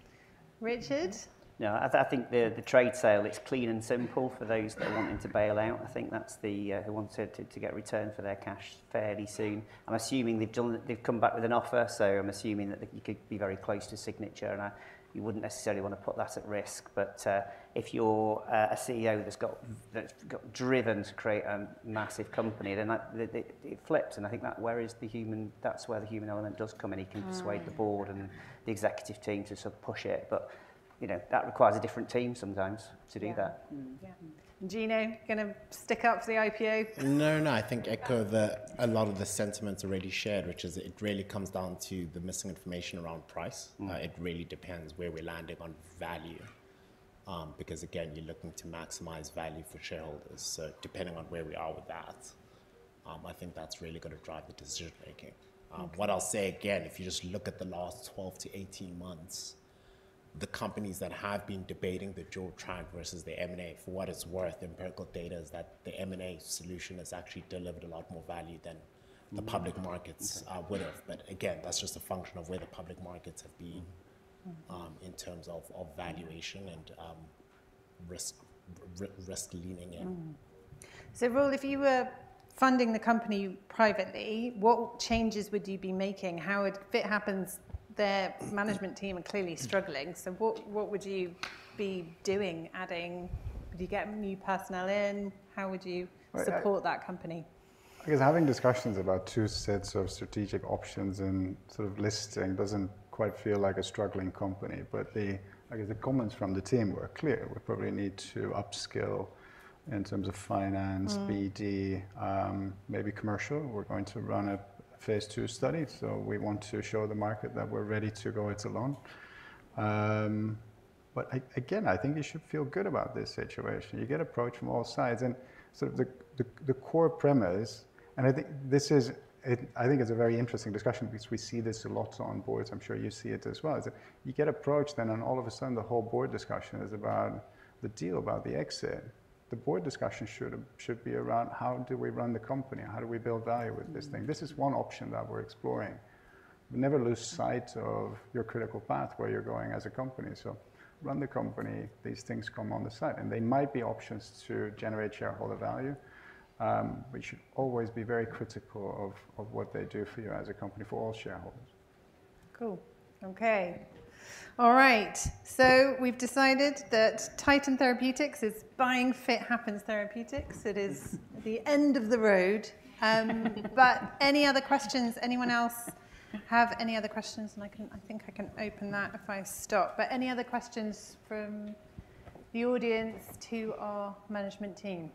Richard? Yeah, I think the trade sale, it's clean and simple for those that are wanting to bail out. I think that's for those who want to get return of their cash fairly soon. I'm assuming they've come back with an offer, so I'm assuming that you could be very close to signature and you wouldn't necessarily want to put that at risk. But if you're a CEO that's driven to create a massive company, then it flips. And I think that's where the human element does come in. He can persuade the board and the executive team to sort of push it. But that requires a different team sometimes to do that. Yeah, and Gino, going to stick up for the IPO? No, no. I echo that a lot of the sentiments are really shared, which is it really comes down to the missing information around price. It really depends where we landed on value because, again, you're looking to maximize value for shareholders. So depending on where we are with that, I think that's really going to drive the decision-making. What I'll say again, if you just look at the last 12-18 months, the companies that have been debating the dual track versus the M&A, for what it's worth, empirical data is that the M&A solution has actually delivered a lot more value than the public markets would have. But again, that's just a function of where the public markets have been in terms of valuation and risk-leaning it. So Rob, if you were funding the company privately, what changes would you be making? How would if it happens, their management team, are clearly struggling. So what would you be doing? Adding, would you get new personnel in? How would you support that company? I guess having discussions about two sets of strategic options and sort of listing doesn't quite feel like a struggling company. But I guess the comments from the team were clear. We probably need to upskill in terms of finance, BD, maybe commercial. We're going to run a phase II study. So we want to show the market that we're ready to go it alone. But again, I think you should feel good about this situation. You get approached from all sides and sort of the core premise. And I think this is, I think it's a very interesting discussion because we see this a lot on boards. I'm sure you see it as well. You get approached then and all of a sudden the whole board discussion is about the deal, about the exit. The board discussion should be around how do we run the company? How do we build value with this thing? This is one option that we're exploring. Never lose sight of your critical path where you're going as a company, so run the company. These things come on the side, and they might be options to generate shareholder value, but you should always be very critical of what they do for you as a company for all shareholders. Cool. Okay. All right. So we've decided that Titan Therapeutics is buying Fit Happens Therapeutics. It is the end of the road. But any other questions? Anyone else have any other questions? And I think I can open that if I stop. But any other questions from the audience to our management team?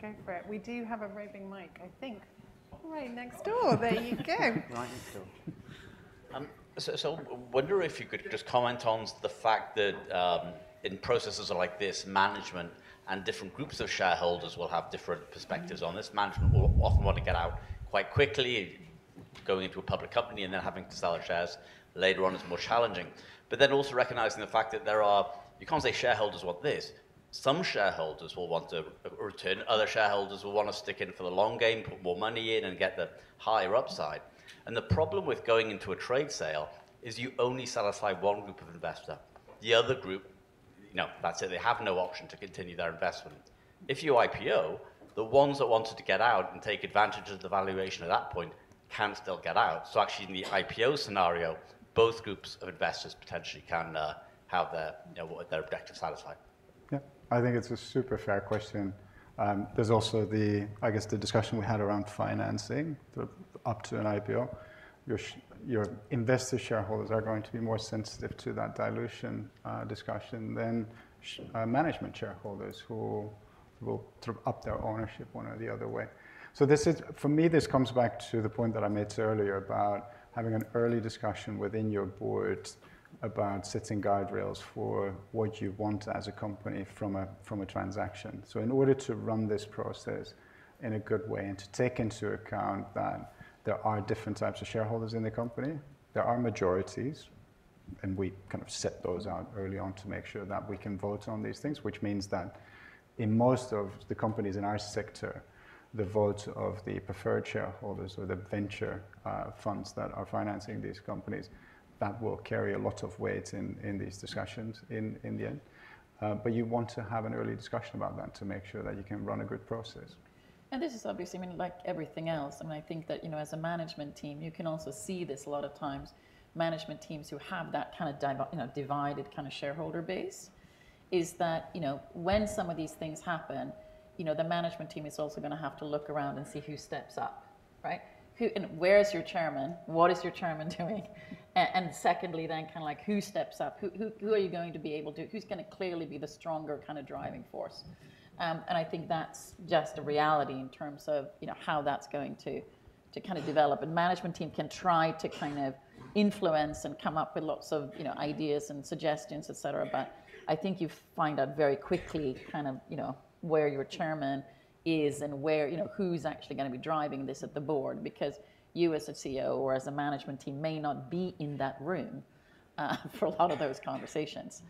Go for it. We do have a roving mic, I think. Right next door. There you go. Right next door. So I wonder if you could just comment on the fact that in processes like this, management and different groups of shareholders will have different perspectives on this. Management will often want to get out quite quickly, going into a public company and then having to sell their shares later on is more challenging. But then also recognizing the fact that there are, you can't say shareholders want this. Some shareholders will want to return. Other shareholders will want to stick in for the long game, put more money in and get the higher upside. And the problem with going into a trade sale is you only sell aside one group of investors. The other group, no, that's it. They have no option to continue their investment. If you IPO, the ones that wanted to get out and take advantage of the valuation at that point can still get out. So actually in the IPO scenario, both groups of investors potentially can have their objective satisfied. Yeah. I think it's a super fair question. There's also the, I guess, discussion we had around financing up to an IPO. Your investor shareholders are going to be more sensitive to that dilution discussion than management shareholders who will sort of up their ownership one or the other way. So for me, this comes back to the point that I made earlier about having an early discussion within your board about setting guide rails for what you want as a company from a transaction. So, in order to run this process in a good way and to take into account that there are different types of shareholders in the company, there are majorities, and we kind of set those out early on to make sure that we can vote on these things, which means that in most of the companies in our sector, the vote of the preferred shareholders or the venture funds that are financing these companies will carry a lot of weight in these discussions in the end. But you want to have an early discussion about that to make sure that you can run a good process. This is obviously, I mean, like everything else. I mean, I think that as a management team, you can also see this a lot of times. Management teams who have that kind of divided kind of shareholder base is that when some of these things happen, the management team is also going to have to look around and see who steps up, right? Where is your chairman? What is your chairman doing? Secondly, then kind of like who steps up? Who are you going to be able to, who's going to clearly be the stronger kind of driving force? I think that's just a reality in terms of how that's going to kind of develop. Management team can try to kind of influence and come up with lots of ideas and suggestions, etc. But I think you find out very quickly kind of where your chairman is and who's actually going to be driving this at the board because you as a CEO or as a management team may not be in that room for a lot of those conversations.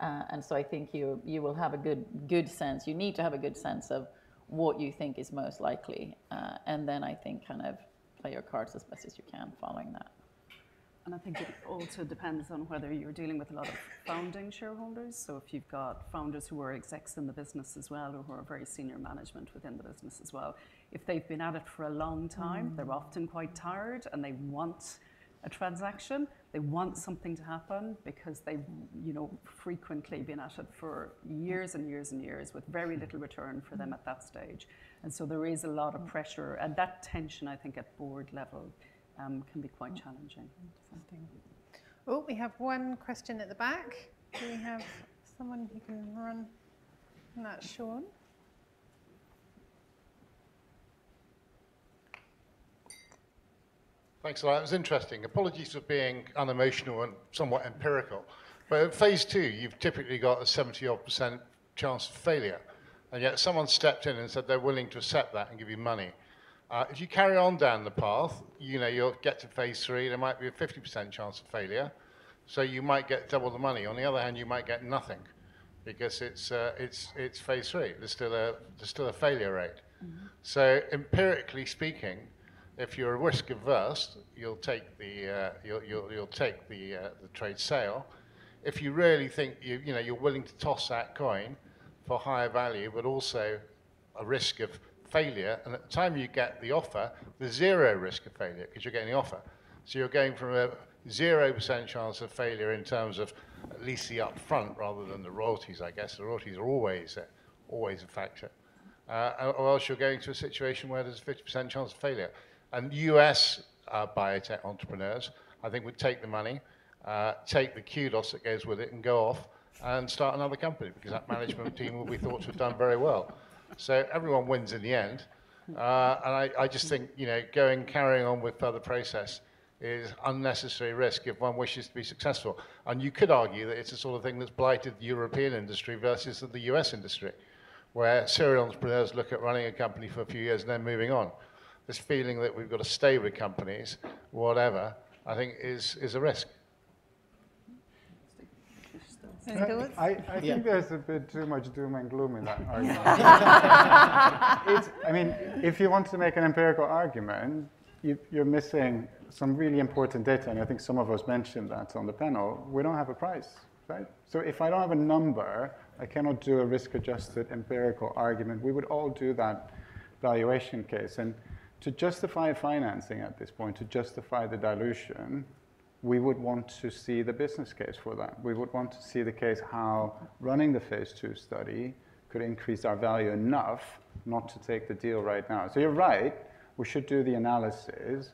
And so I think you will have a good sense. You need to have a good sense of what you think is most likely. And then I think kind of play your cards as best as you can following that. I think it also depends on whether you're dealing with a lot of founding shareholders. If you've got founders who are execs in the business as well or who are very senior management within the business as well. If they've been at it for a long time, they're often quite tired and they want a transaction. They want something to happen because they've frequently been at it for years and years and years with very little return for them at that stage. There is a lot of pressure. That tension, I think at board level can be quite challenging. Interesting. Oh, we have one question at the back. Do we have someone who can run that? Sean? Thanks, Liz. It was interesting. Apologies for being unemotional and somewhat empirical, but in phase II, you've typically got a 70-odd% chance of failure, and yet someone stepped in and said they're willing to accept that and give you money. If you carry on down the path, you'll get to phase III. There might be a 50% chance of failure, so you might get double the money. On the other hand, you might get nothing because it's phase III. There's still a failure rate, so empirically speaking, if you're risk-averse, you'll take the trade sale. If you really think you're willing to toss that coin for higher value, but also a risk of failure, and at the time you get the offer, there's zero risk of failure because you're getting the offer. So you're going from a 0% chance of failure in terms of at least the upfront rather than the royalties, I guess. The royalties are always a factor. Or else you're going to a situation where there's a 50% chance of failure. And U.S. biotech entrepreneurs, I think would take the money, take the kudos that goes with it and go off and start another company because that management team will be thought to have done very well. So everyone wins in the end. And I just think going, carrying on with further process is unnecessary risk if one wishes to be successful. And you could argue that it's the sort of thing that's blighted the European industry versus the U.S. industry, where serial entrepreneurs look at running a company for a few years and then moving on. This feeling that we've got to stay with companies, whatever, I think is a risk. Interesting. And Gini? I think there's a bit too much doom and gloom in that argument. I mean, if you want to make an empirical argument, you're missing some really important data. And I think some of us mentioned that on the panel. We don't have a price, right? So if I don't have a number, I cannot do a risk-adjusted empirical argument. We would all do that valuation case. And to justify financing at this point, to justify the dilution, we would want to see the business case for that. We would want to see the case how running the phase II study could increase our value enough not to take the deal right now. So you're right. We should do the analysis.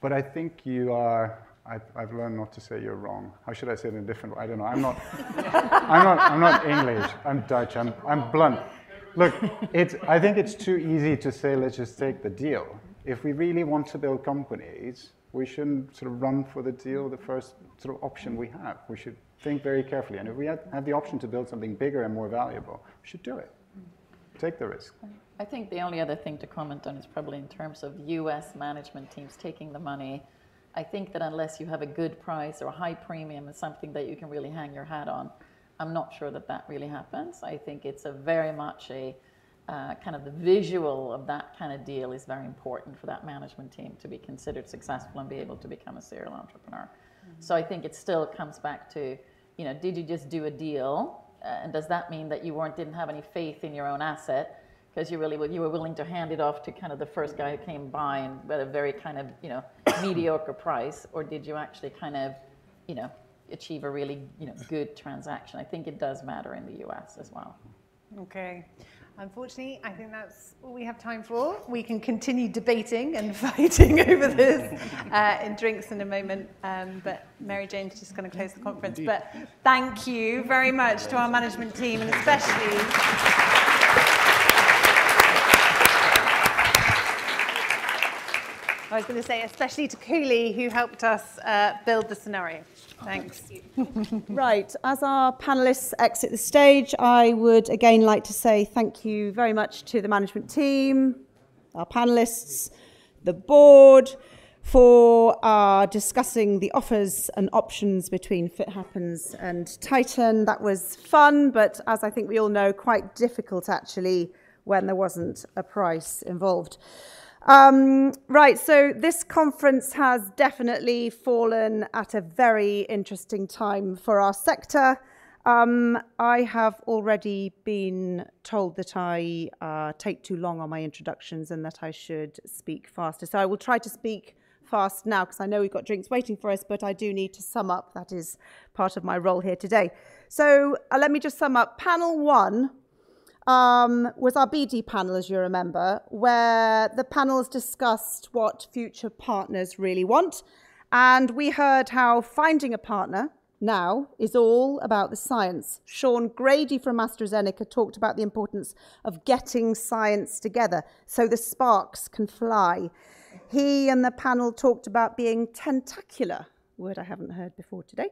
But I think you are, I've learned not to say you're wrong. How should I say it in a different way? I don't know. I'm not English. I'm Dutch. I'm blunt. Look, I think it's too easy to say, let's just take the deal. If we really want to build companies, we shouldn't sort of run for the deal the first sort of option we have. We should think very carefully. And if we had the option to build something bigger and more valuable, we should do it. Take the risk. I think the only other thing to comment on is probably in terms of U.S. management teams taking the money. I think that unless you have a good price or a high premium or something that you can really hang your hat on, I'm not sure that that really happens. I think it's very much a kind of the visual of that kind of deal is very important for that management team to be considered successful and be able to become a serial entrepreneur. So I think it still comes back to, did you just do a deal? And does that mean that you didn't have any faith in your own asset because you were willing to hand it off to kind of the first guy who came by and at a very kind of mediocre price? Or did you actually kind of achieve a really good transaction? I think it does matter in the U.S. as well. Okay. Unfortunately, I think that's all we have time for. We can continue debating and fighting over this in drinks in a moment. But Mary Jane's just going to close the conference. But thank you very much to our management team and especially. I was going to say especially to Cooley who helped us build the scenario. Thanks. Right. As our panelists exit the stage, I would again like to say thank you very much to the management team, our panelists, the board for discussing the offers and options between Fit Happens and Titan. That was fun, but as I think we all know, quite difficult actually when there wasn't a price involved. Right. So this conference has definitely fallen at a very interesting time for our sector. I have already been told that I take too long on my introductions and that I should speak faster. So I will try to speak fast now because I know we've got drinks waiting for us, but I do need to sum up. That is part of my role here today. So let me just sum up. Panel one was our BD panel, as you remember, where the panelists discussed what future partners really want. And we heard how finding a partner now is all about the science. Sean Grady from AstraZeneca talked about the importance of getting science together so the sparks can fly. He and the panel talked about being tentacular, word I haven't heard before today,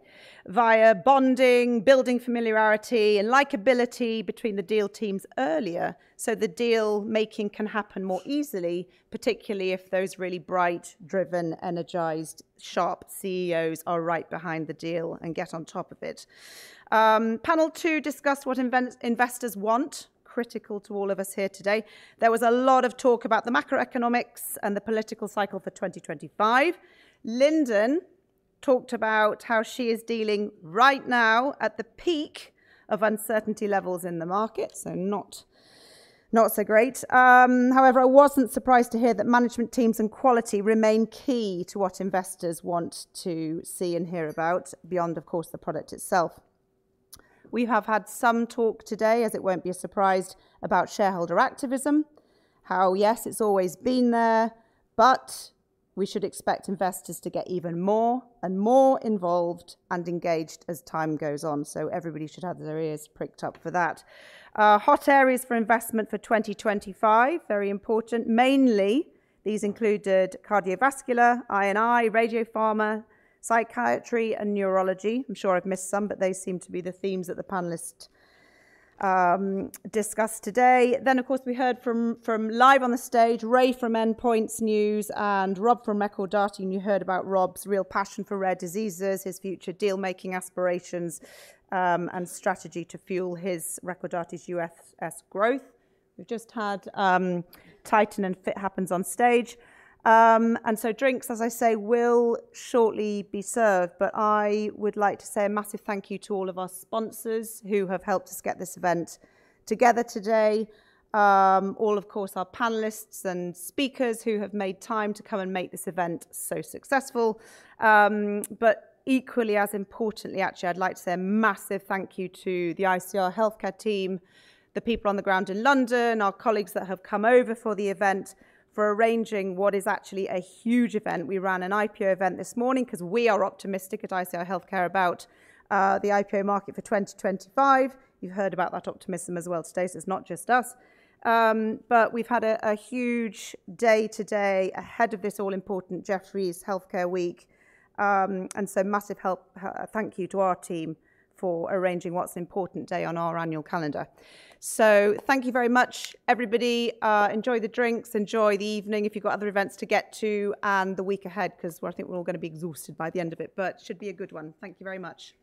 via bonding, building familiarity and likability between the deal teams earlier so the deal making can happen more easily, particularly if those really bright, driven, energized, sharp CEOs are right behind the deal and get on top of it. Panel two discussed what investors want, critical to all of us here today. There was a lot of talk about the macroeconomics and the political cycle for 2025. Linden talked about how she is dealing right now at the peak of uncertainty levels in the market, so not so great. However, I wasn't surprised to hear that management teams and quality remain key to what investors want to see and hear about beyond, of course, the product itself. We have had some talk today, as it won't be a surprise, about shareholder activism, how yes, it's always been there, but we should expect investors to get even more and more involved and engaged as time goes on. So everybody should have their ears pricked up for that. Hot areas for investment for 2025, very important. Mainly these included cardiovascular, I&I, radiopharma, psychiatry, and neurology. I'm sure I've missed some, but they seem to be the themes that the panelists discussed today. Then, of course, we heard from, live on the stage, Rey from Endpoints News and Rob from Recordati. You heard about Rob's real passion for rare diseases, his future deal-making aspirations, and strategy to fuel his Recordati's US growth. We've just had Titan and Fit Happens on stage, and so drinks, as I say, will shortly be served, but I would like to say a massive thank you to all of our sponsors who have helped us get this event together today. All, of course, our panelists and speakers who have made time to come and make this event so successful. But equally as importantly, actually, I'd like to say a massive thank you to the ICR Healthcare team, the people on the ground in London, our colleagues that have come over for the event, for arranging what is actually a huge event. We ran an IPO event this morning because we are optimistic at ICR Healthcare about the IPO market for 2025. You've heard about that optimism as well today. So it's not just us. But we've had a huge day today ahead of this all-important Jefferies Healthcare Week. And so massive thank you to our team for arranging what's an important day on our annual calendar. So thank you very much, everybody. Enjoy the drinks. Enjoy the evening if you've got other events to get to and the week ahead because I think we're all going to be exhausted by the end of it, but it should be a good one. Thank you very much.